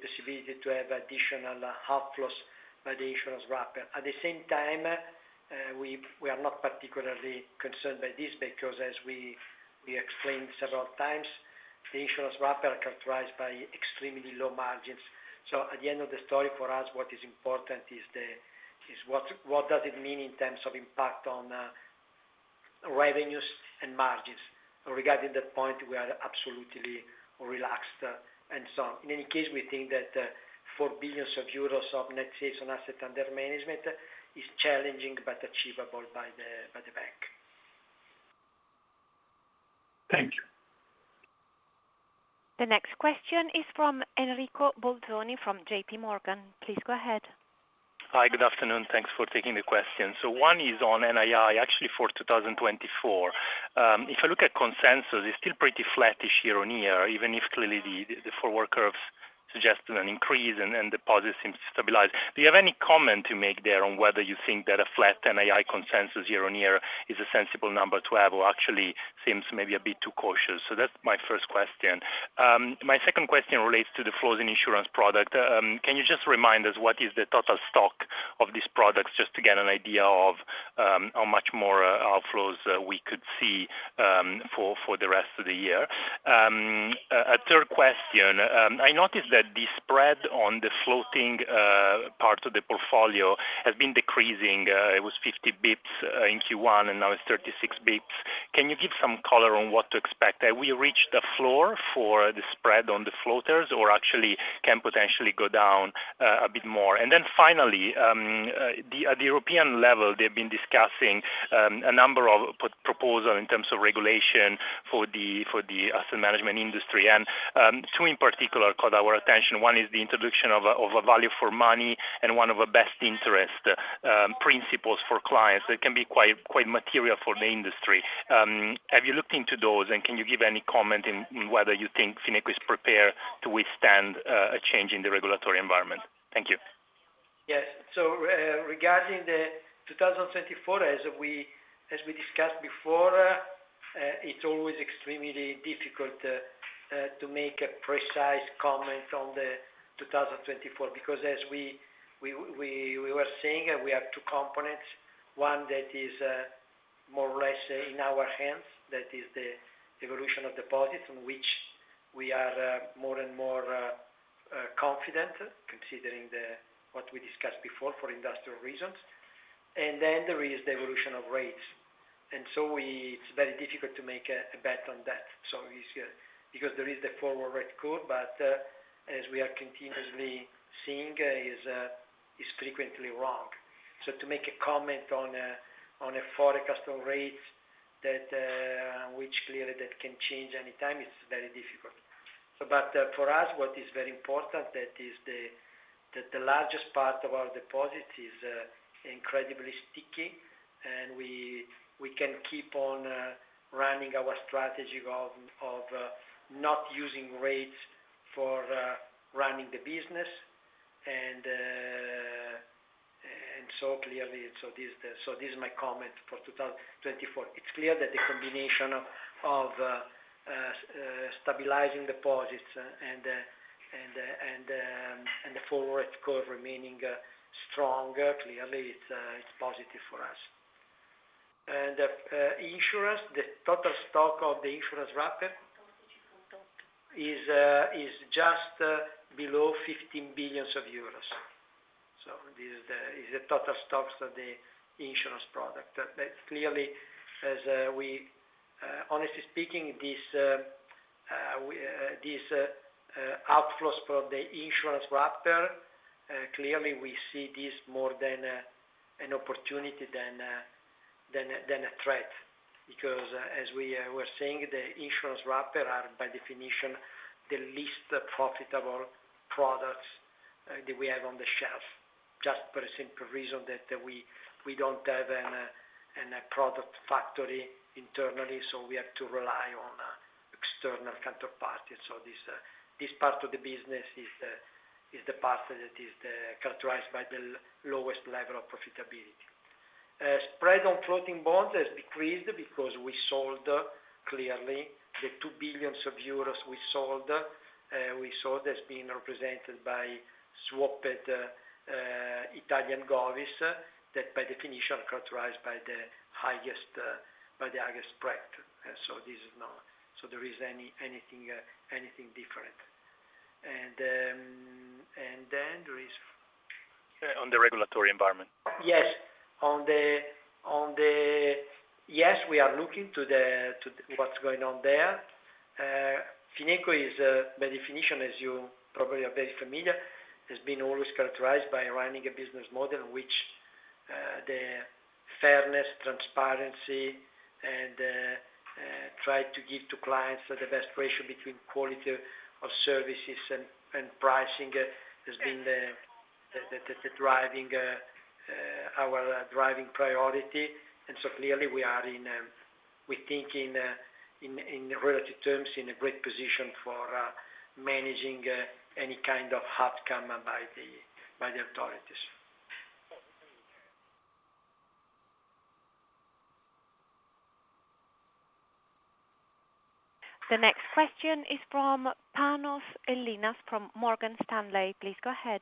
possibility to have additional outflows by the insurance wrapper. At the same time, we are not particularly concerned by this, because as we explained several times, the insurance wrapper are characterized by extremely low margins. At the end of the story, for us, what is important is what, what does it mean in terms of impact on revenues and margins? Regarding that point, we are absolutely relaxed, and so on. In any case, we think that 4 billion euros of net sales on assets under management is challenging, but achievable by the bank. Thank you. The next question is from Enrico Bolzoni, from JPMorgan. Please go ahead. Hi, good afternoon. Thanks for taking the question. One is on NII, actually, for 2024. If you look at consensus, it's still pretty flattish year-on-year, even if clearly the forward curves- Suggested an increase, and, and deposits seem to stabilize. Do you have any comment to make there on whether you think that a flat NII consensus year-on-year is a sensible number to have, or actually seems maybe a bit too cautious? That's my first question. My second question relates to the flows in insurance product. Can you just remind us, what is the total stock of these products, just to get an idea of how much more outflows we could see for the rest of the year? A third question. I noticed that the spread on the floating part of the portfolio has been decreasing. It was 50 basis points in Q1, and now it's 36 basis points. Can you give some color on what to expect? Have we reached the floor for the spread on the floaters, or actually can potentially go down a bit more? Finally, at the European level, they've been discussing a number of proposal in terms of regulation for the asset management industry. Two in particular caught our attention. One is the introduction of a, of a value for money, and one of a best interest principles for clients. It can be quite, quite material for the industry. Have you looked into those, and can you give any comment in, in whether you think Fineco is prepared to withstand a change in the regulatory environment? Thank you. Yes. So regarding the 2024, as we, as we discussed before, it's always extremely difficult to make a precise comment on the 2024, because as we, we, we, we were saying, we have two components. One that is more or less in our hands, that is the evolution of deposits, in which we are more and more confident, considering what we discussed before for industrial reasons. Then there is the evolution of rates. It's very difficult to make a, a bet on that, so it's because there is the forward rate curve, but as we are continuously seeing, is frequently wrong. To make a comment on a, on a forecast on rates that which clearly that can change any time, it's very difficult. For us, what is very important, that is the, that the largest part of our deposits is incredibly sticky, and we, we can keep on running our strategy of, of not using rates for running the business. Clearly, this is my comment for 2024. It's clear that the combination of, of stabilizing deposits, and the, and the, and the forward curve remaining stronger, clearly, it's positive for us. The insurance, the total stock of the insurance wrapper is just below 15 billion euros. This is the, is the total stocks of the insurance product. That clearly, as we... honestly speaking, this, we, this, outflows for the insurance wrapper, clearly, we see this more than an opportunity than a threat, because as we were saying, the insurance wrapper are, by definition, the least profitable products that we have on the shelf, just for the simple reason that we, we don't have an a product factory internally, so we have to rely on external counterparties. This part of the business is the part that is characterized by the lowest level of profitability. Spread on floating bonds has decreased because we sold, clearly, the 2 billion euros we sold, we sold as being represented by swapped Italian Govies, that by definition, are characterized by the highest spread. This is not. There is anything, anything different. There is- On the regulatory environment. Yes, on the, on the... Yes, we are looking to the, to what's going on there. Fineco is by definition, as you probably are very familiar, has been always characterized by running a business model in which the fairness, transparency, and try to give to clients the best ratio between quality of services and, and pricing, has been the, the, the, the driving, our driving priority. Clearly, we are in, we think in, in relative terms, in a great position for managing any kind of outcome by the, by the authorities. The next question is from Panos Lynoos from Morgan Stanley. Please go ahead.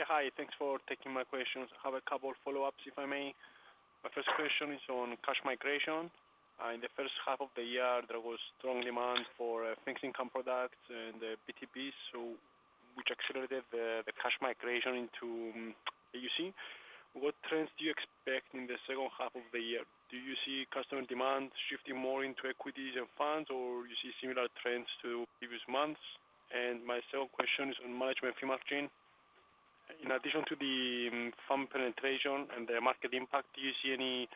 Yeah, hi. Thanks for taking my questions. I have a couple follow-ups, if I may. My first question is on cash migration. In the first half of the year, there was strong demand for fixed income products and BTPs, so which accelerated the cash migration into AUC. What trends do you expect in the second half of the year? Do you see customer demand shifting more into equities and funds, or you see similar trends to previous months? My second question is on management fee margin. In addition to the fund penetration and the market impact, do you see any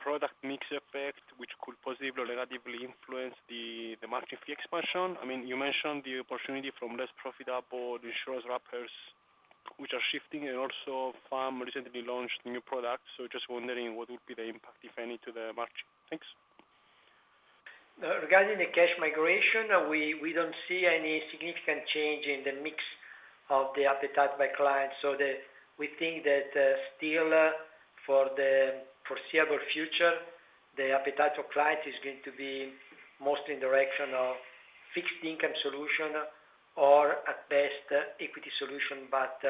product mix effect which could positively or negatively influence the margin fee expansion? I mean, you mentioned the opportunity from less profitable insurance wrappers which are shifting and also firm recently launched new products. Just wondering what would be the impact, if any, to the margin? Thanks. Regarding the cash migration, we, we don't see any significant change in the mix of the appetite by clients. We think that still, for the foreseeable future, the appetite of client is going to be mostly in direction of fixed income solution or at best, equity solution, but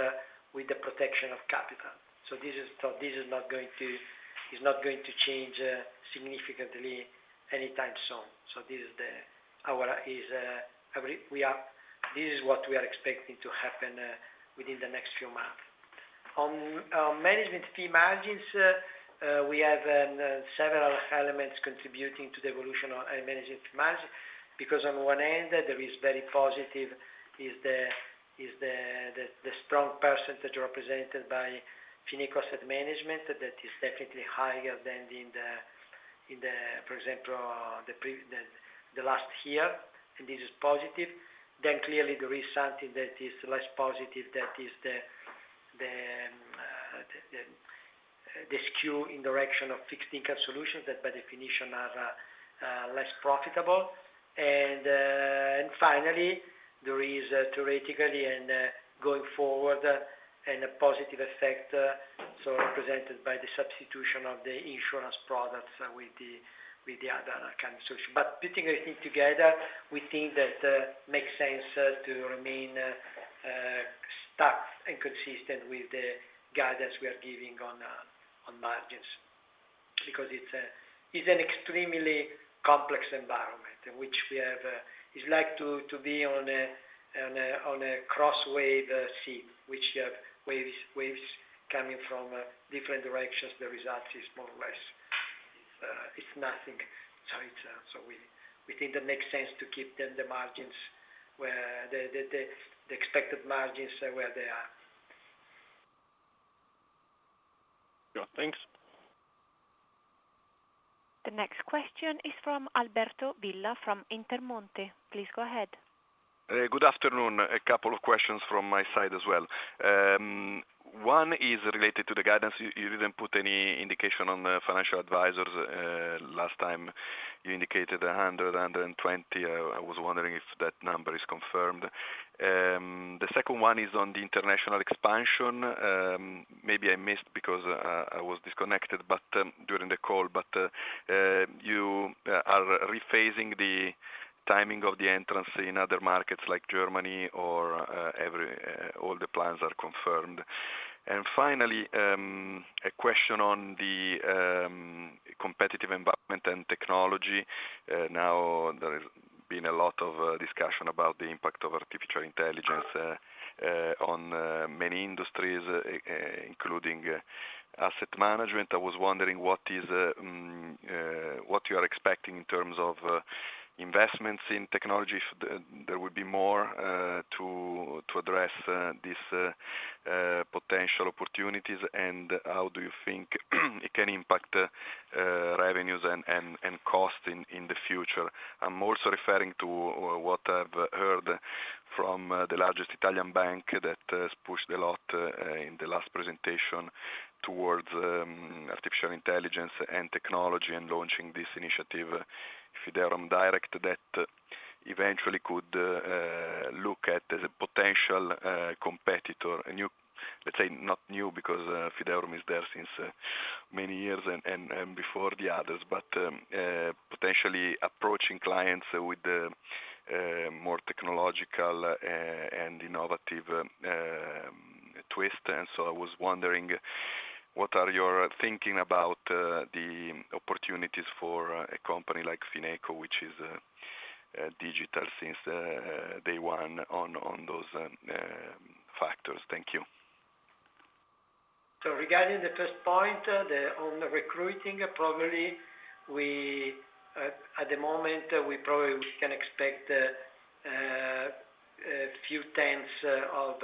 with the protection of capital. This is not going to, is not going to change significantly anytime soon. This is the, our is, what we are expecting to happen within the next few months. On management fee margins, we have several elements contributing to the evolution on management margins, because on one end, there is very positive, is the, is the, the, the strong percentage represented by Fineco Asset Management. That is definitely higher than in the, for example, the last year, and this is positive. Clearly there is something that is less positive, that is the skew in the direction of fixed income solutions, that by definition are less profitable. Finally, there is theoretically and going forward, a positive effect so represented by the substitution of the insurance products with the other kind of solution. Putting everything together, we think that makes sense to remain stuck and consistent with the guidance we are giving on margins. Because it's an extremely complex environment in which we have... It's like to, to be on a, on a, on a crosswave sea, which you have waves, waves coming from, different directions. The result is more or less, it's nothing. It's, so we, we think that makes sense to keep then the margins where the, the, the, the expected margins are where they are. Yeah. Thanks. The next question is from Alberto Villa, from Intermonte. Please go ahead. Good afternoon. A couple of questions from my side as well. One is related to the guidance. You didn't put any indication on the financial advisors. Last time you indicated 100-120. I was wondering if that number is confirmed? The second one is on the international expansion. Maybe I missed because I was disconnected, but during the call, you are rephasing the timing of the entrance in other markets like Germany or every all the plans are confirmed. Finally, a question on the competitive environment and technology. Now, there has been a lot of discussion about the impact of artificial intelligence on many industries, including asset management. I was wondering what is what you are expecting in terms of investments in technology. If there, there would be more to address these potential opportunities, and how do you think it can impact revenues and and cost in in the future? I'm also referring to what I've heard from the largest Italian bank that has pushed a lot in the last presentation towards artificial intelligence and technology, and launching this initiative, Fideuram Direct, that eventually could look at as a potential competitor, let's say, not new, because Fideuram is there since many years and and before the others. Potentially approaching clients with the more technological and innovative twist. I was wondering, what are your thinking about the opportunities for a company like Fineco, which is digital since day one, on those factors? Thank you. Regarding the first point, the, on the recruiting, probably we, at, at the moment, we probably we can expect a few 10s of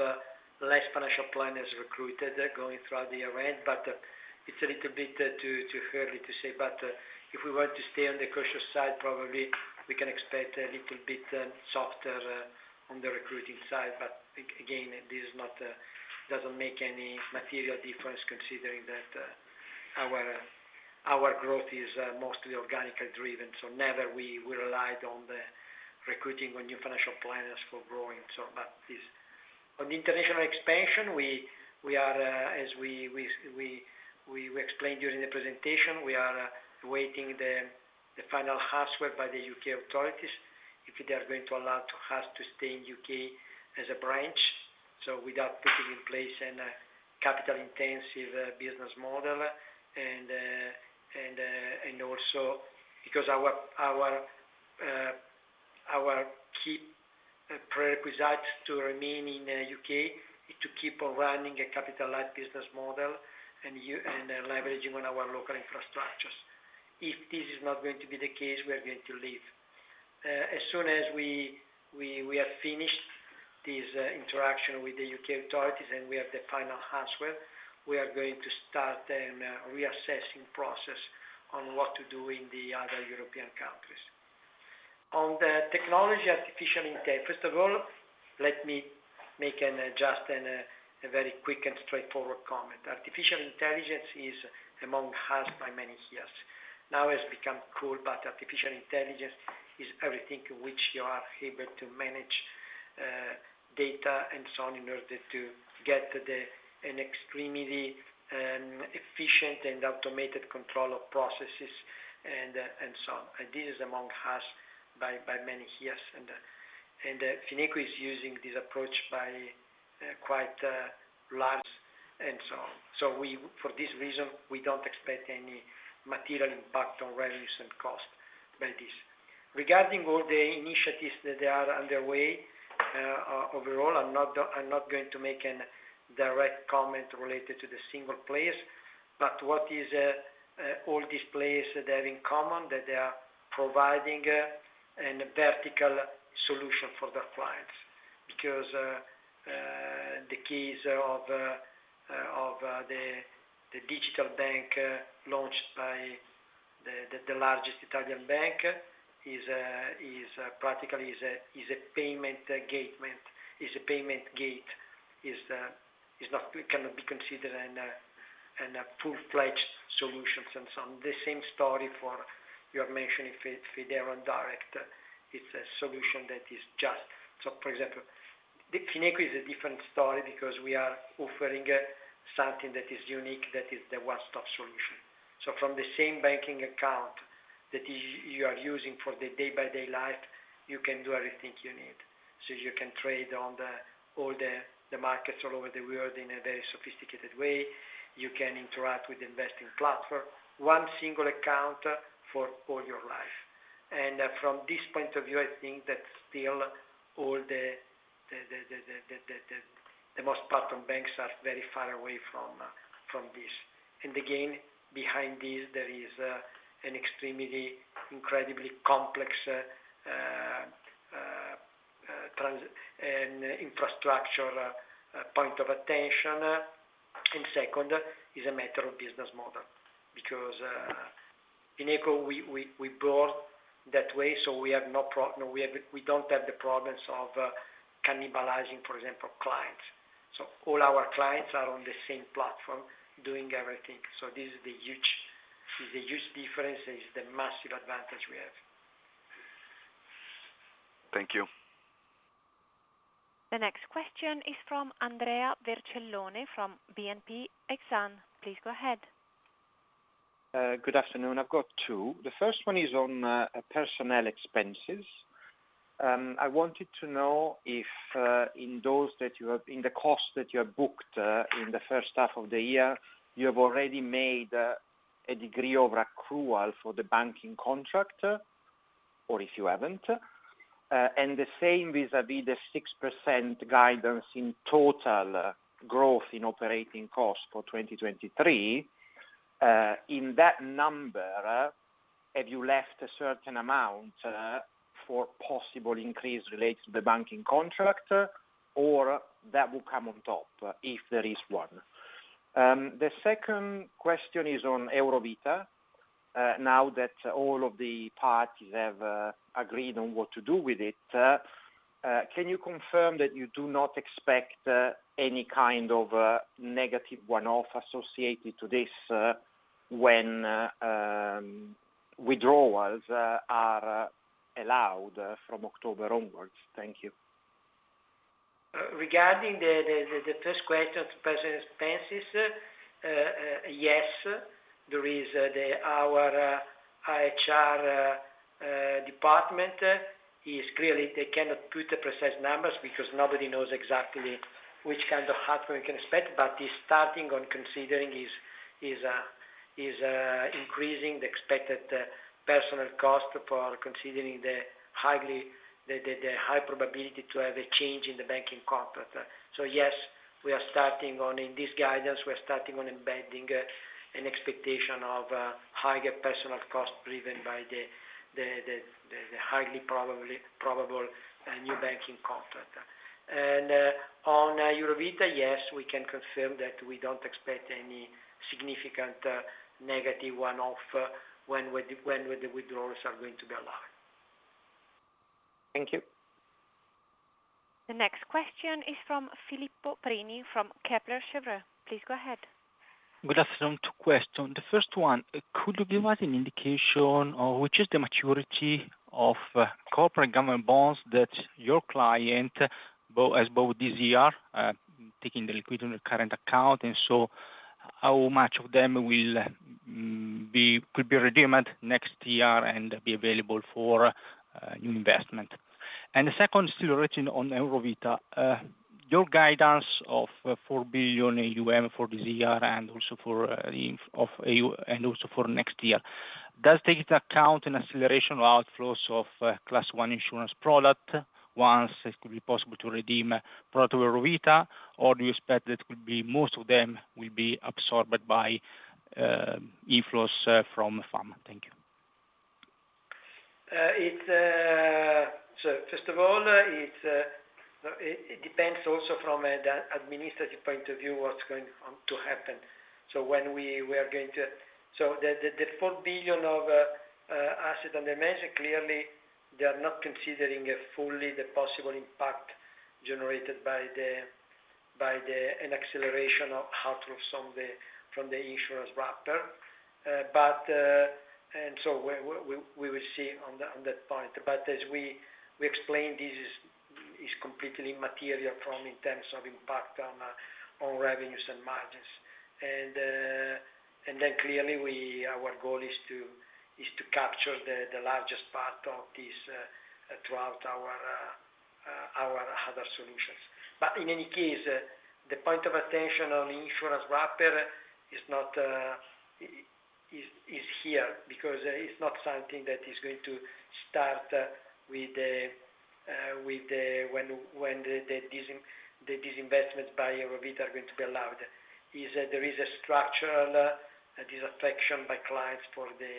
less financial planners recruited going throughout the year end, but it's a little bit too, too early to say. If we were to stay on the cautious side, probably we can expect a little bit softer on the recruiting side. Again, this is not doesn't make any material difference, considering that our, our growth is mostly organically driven. Never we, we relied on the recruiting on new financial planners for growing. But this... On the international expansion, we are as we explained during the presentation, we are awaiting the final answer by the U.K. authorities, if they are going to allow us to stay in U.K. as a branch, so without putting in place any capital-intensive business model. Also because our key prerequisite to remain in U.K. is to keep on running a capital light business model and leveraging on our local infrastructures. If this is not going to be the case, we are going to leave. As soon as we, we, we are finished this interaction with the U.K. authorities, and we have the final answer, we are going to start a reassessing process on what to do in the other European countries. On the technology, Artificial intel, first of all, let me make an, just an, a very quick and straightforward comment. Artificial intelligence is among us by many years. Now, it's become cool, but Artificial intelligence is everything which you are able to manage data and so on, in order to get the, an extremely efficient and automated control of processes and so on. This is among us by, by many years, and Fineco is using this approach by quite large and so on. For this reason, we don't expect any material impact on revenues and cost by this. Regarding all the initiatives that they are underway, overall, I'm not, I'm not going to make an direct comment related to the single place, but what is, all these place they have in common, that they are providing, an vertical solution for their clients. Because, the case of, of, the, the digital bank, launched by the, the, the largest Italian bank is, is practically is a, is a payment gate... is a payment gate, is, is not, cannot be considered an, an, a full-fledged solution and so on. The same story for you're mentioning Fed-- Fideuram Direct, it's a solution that is just... For example, the FinecoBank is a different story because we are offering, something that is unique, that is the one-stop solution. From the same banking account that you are using for the day-by-day life, you can do everything you need. You can trade on the, all the, the markets all over the world in a very sophisticated way. You can interact with investing platform, one single account for all your life. From this point of view, I think that still all the, the, the, the, the, the, the, the most part of banks are very far away from this. Again, behind this, there is an extremely incredibly complex trans and infrastructure point of attention. Second, is a matter of business model, because Fineco, we, we, we built that way, so we don't have the problems of cannibalizing, for example, clients. All our clients are on the same platform, doing everything. This is the huge, is the huge difference, is the massive advantage we have. Thank you. The next question is from Andrea Vercellone, from BNP Exane. Please go ahead. Good afternoon. I've got two. The first one is on personnel expenses. I wanted to know if in the cost that you have booked in the first half of the year, you have already made a degree of accrual for the banking contract, or if you haven't. The same vis-à-vis the 6% guidance in total growth in operating costs for 2023. In that number, have you left a certain amount for possible increase related to the banking contract, or that will come on top, if there is one? The second question is on Eurovita. Now that all of the parties have agreed on what to do with it, can you confirm that you do not expect any kind of negative one-off associated to this when withdrawals are allowed from October onwards? Thank you. t question, personal expenses, yes, there is. Our HR department is clearly they cannot put the precise numbers because nobody knows exactly which kind of hardware we can expect, but is starting on considering is, is, is increasing the expected personal cost for considering the highly, the high probability to have a change in the banking contract. So yes, we are starting on. In this guidance, we're starting on embedding an expectation of higher personal cost driven by the highly probable new banking contract. And on Eurovita, yes, we can confirm that we don't expect any significant negative one-off when the withdrawals are going to be allowed. Thank you. The next question is from Filippo Prini, from Kepler Cheuvreux. Please go ahead. Good afternoon. Two question. The first one, could you give us an indication of which is the maturity of corporate government bonds that your client has bought this year, taking the liquid on the current account, and so how much of them will be, could be redeemed next year and be available for new investment? The second still written on Eurovita. Your guidance of 4 billion AUM for this year and also for of EU, and also for next year, does take into account an acceleration of outflows of class one insurance product, once it could be possible to redeem product Eurovita, or do you expect that could be most of them will be absorbed by inflows from pharma? Thank you. It depends also from the administrative point of view, what's going to happen. When we, we are going to-- the, the, the 4 billion of asset under management, clearly, they are not considering fully the possible impact generated by the, by the-- an acceleration of outflow from the, from the insurance wrapper. So we, we, we will see on that, on that point. As we, we explained, this is, is completely immaterial from in terms of impact on revenues and margins. Then clearly, we-- our goal is to, is to capture the, the largest part of this, throughout our, our other solutions. In any case, the point of attention on the insurance wrapper is not, is, is here, because it's not something that is going to start with the, with the, when, when the disinvestment by Eurovita are going to be allowed. Is that there is a structural disaffection by clients for the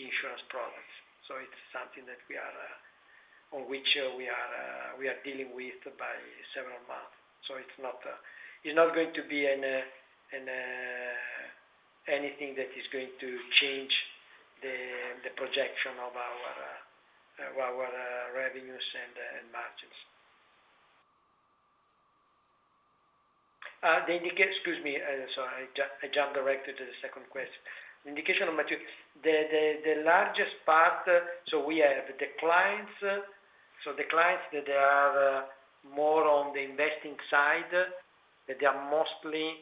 insurance products. It's something that we are on which we are, we are dealing with by several months. It's not, it's not going to be an, an, anything that is going to change the, the projection of our, our, our revenues and margins. The, excuse me, sorry, I jumped directly to the second question. The indication of maturity. The, the, the largest part, so we have the clients, so the clients that are more on the investing side, that they are mostly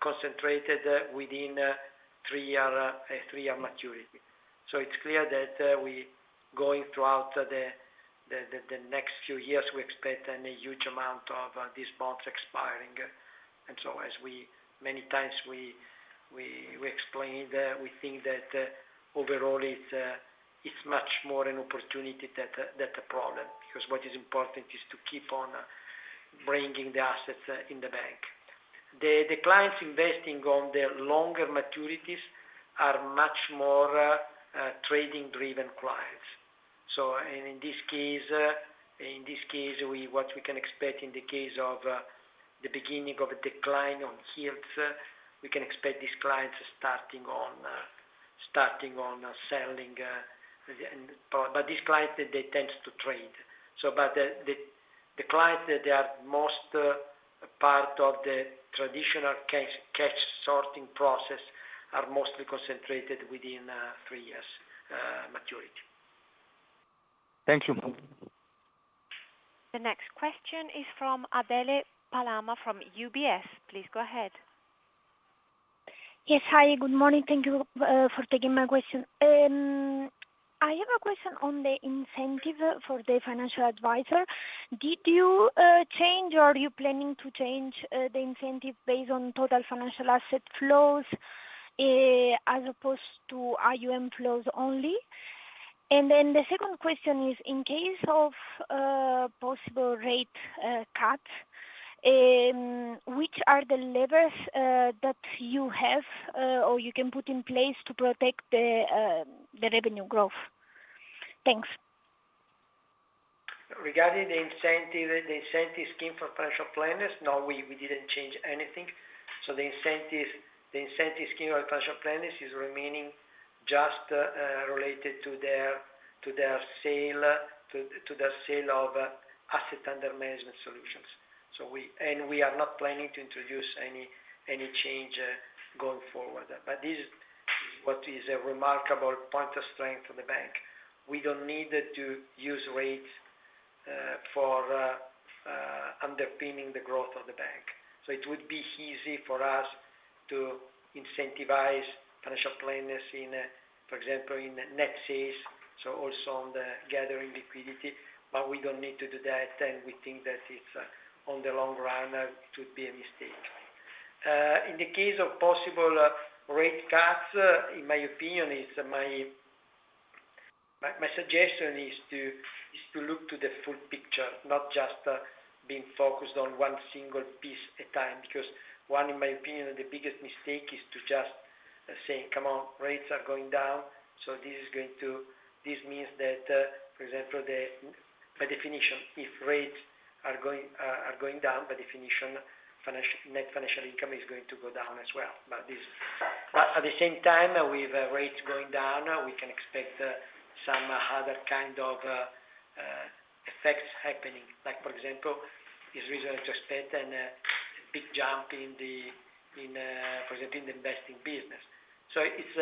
concentrated within a 3-year, a 3-year maturity. It's clear that we going throughout the next few years, we expect a huge amount of these bonds expiring. As we many times, we, we, we explained, we think that overall it's much more an opportunity than a problem, because what is important is to keep on bringing the assets in the bank. The clients investing on the longer maturities are much more trading-driven clients. In this case, in this case, what we can expect in the case of the beginning of a decline on yields, we can expect these clients starting on starting on selling. These clients, they tend to trade. The, the, the clients, they are most part of the traditional cash, cash sorting process are mostly concentrated within three years maturity. Thank you. The next question is from Adele Palama from UBS. Please go ahead. Yes. Hi, good morning. Thank you for taking my question. I have a question on the incentive for the financial advisor. Did you change or are you planning to change the incentive based on total financial asset flows as opposed to AUM flows only? The second question is, in case of possible rate cuts, which are the levers that you have or you can put in place to protect the revenue growth? Thanks. Regarding the incentive, the incentive scheme for financial planners, no, we, we didn't change anything. The incentive, the incentive scheme for financial planners is remaining just related to their, to their sale, to the sale of asset under management solutions. We are not planning to introduce any, any change going forward. This is what is a remarkable point of strength for the bank. We don't need to use rates for underpinning the growth of the bank. It would be easy for us to incentivize financial planners in, for example, in net sales, so also on the gathering liquidity, but we don't need to do that, and we think that it's on the long run it would be a mistake. In the case of possible rate cuts, in my opinion, it's my... My, my suggestion is to, is to look to the full picture, not just being focused on one single piece at a time, because one, in my opinion, the biggest mistake is to just say, "Come on, rates are going down." This means that, for example, the, by definition, if rates are going, are, are going down, by definition, net financial income is going to go down as well. At the same time, with rates going down, we can expect some other kind of effects happening. Like, for example, is reasonable to expect an a big jump in the, in, for example, in the investing business. It's,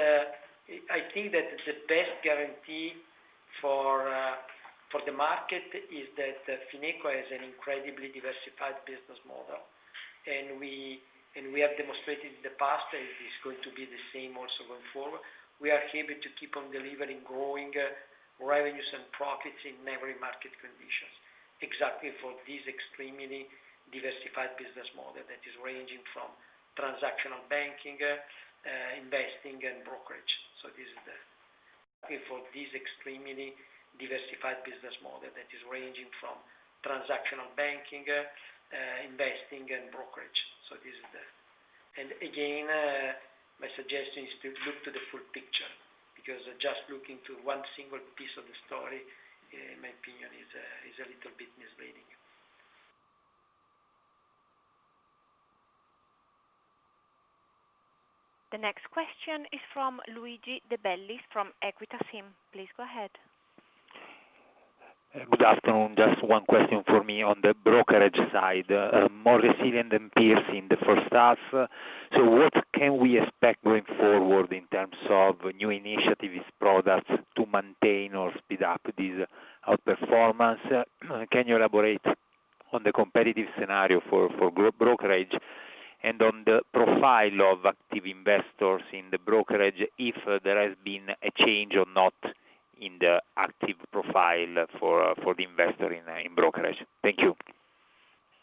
I think that the best guarantee for the market is that Fineco has an incredibly diversified business model, and we, and we have demonstrated in the past, and it's going to be the same also going forward. We are able to keep on delivering growing revenues and profits in every market conditions. Exactly for this extremely diversified business model that is ranging from transactional banking, investing, and brokerage. For this extremely diversified business model that is ranging transactional banking, investing and brokerage. And again, my suggestion is to look to the full picture, because just looking to one single piece of the story, in my opinion, is a, is a little bit misleading. The next question is from Luigi de Bellis from Equita SIM. Please go ahead. Good afternoon. Just one question for me on the brokerage side. More resilient than peers in the first half. What can we expect going forward in terms of new initiatives, products to maintain or speed up this outperformance? Can you elaborate on the competitive scenario for, for group brokerage and on the profile of active investors in the brokerage, if there has been a change or not in the active profile for, for the investor in, in brokerage? Thank you.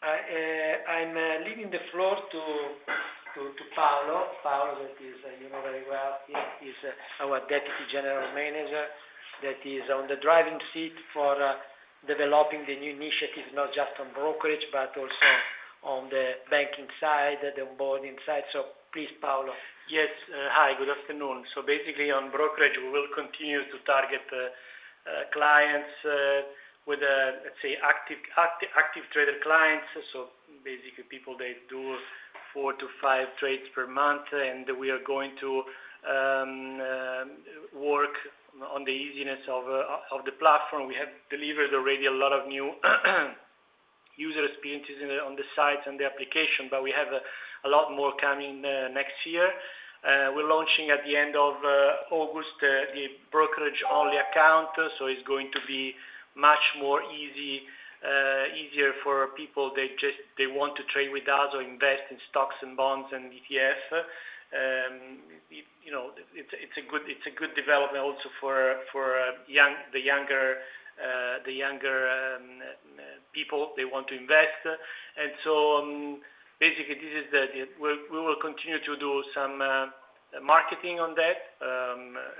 I, I'm leaving the floor to Paolo. Paolo, that is, you know very well, he is our deputy general manager, that is on the driving seat for developing the new initiatives, not just on brokerage, but also on the banking side and the onboarding side. Please, Paolo. Yes. Hi, good afternoon. Basically, on brokerage, we will continue to target clients with, let's say, active, active, active trader clients. Basically people, they do 4-5 trades per month, and we are going to work on the easiness of the platform. We have delivered already a lot of new user experiences in the, on the site and the application, but we have a lot more coming next year. We're launching at the end of August, the brokerage-only account, so it's going to be much easier for people. They want to trade with us or invest in stocks and bonds and ETFs. You know, it's a, it's a good, it's a good development also for, for young, the younger, the younger people, they want to invest. Basically, this is the idea. We, we will continue to do some marketing on that,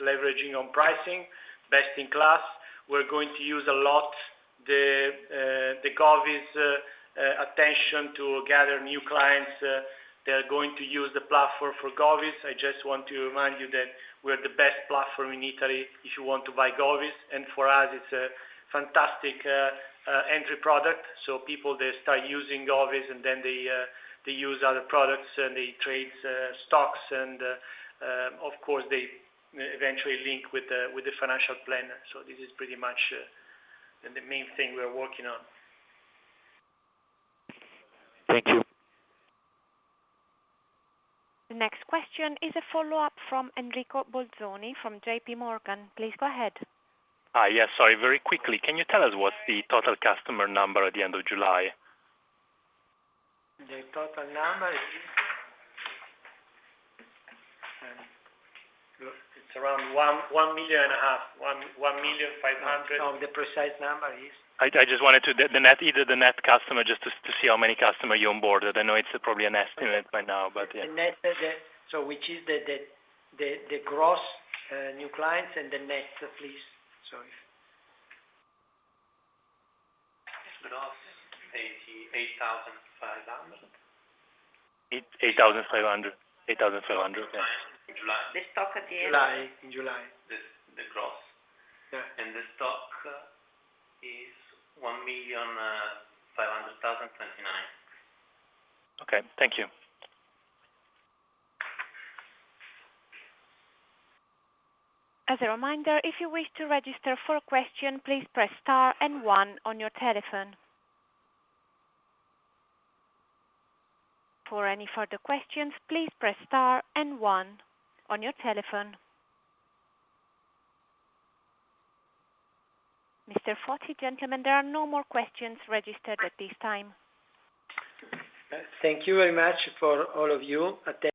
leveraging on pricing, best in class. We're going to use a lot the Govies attention to gather new clients. They are going to use the platform for Govies. I just want to remind you that we are the best platform in Italy if you want to buy Govies, and for us, it's a fantastic entry product. People, they start using Govies, and then they, they use other products, and they trade stocks, and, of course, they eventually link with the, with the financial planner. This is pretty much the main thing we are working on. Thank you. The next question is a follow-up from Enrico Bolzoni, from JPMorgan. Please go ahead. Yes, sorry. Very quickly, can you tell us what's the total customer number at the end of July? The total number is... It's around 1.5 million. 1,500,000. No, the precise number is? I, I just wanted to, the net, either the net customer, just to, to see how many customer you onboarded. I know it's probably an estimate by now, but yeah. The net, which is the, the, the, the gross, new clients and the net, please. Sorry. Gross, EUR 88,500. Eight, EUR 8,500. EUR 8,500, okay. In July. The stock at the end? July. In July. The, the gross. Yeah. The stock is EUR 1,500,029. Okay. Thank you. As a reminder, if you wish to register for a question, please press star one on your telephone. For any further questions, please press star one on your telephone. Mr. Foti, gentlemen, there are no more questions registered at this time. Thank you very much for all of you atten-.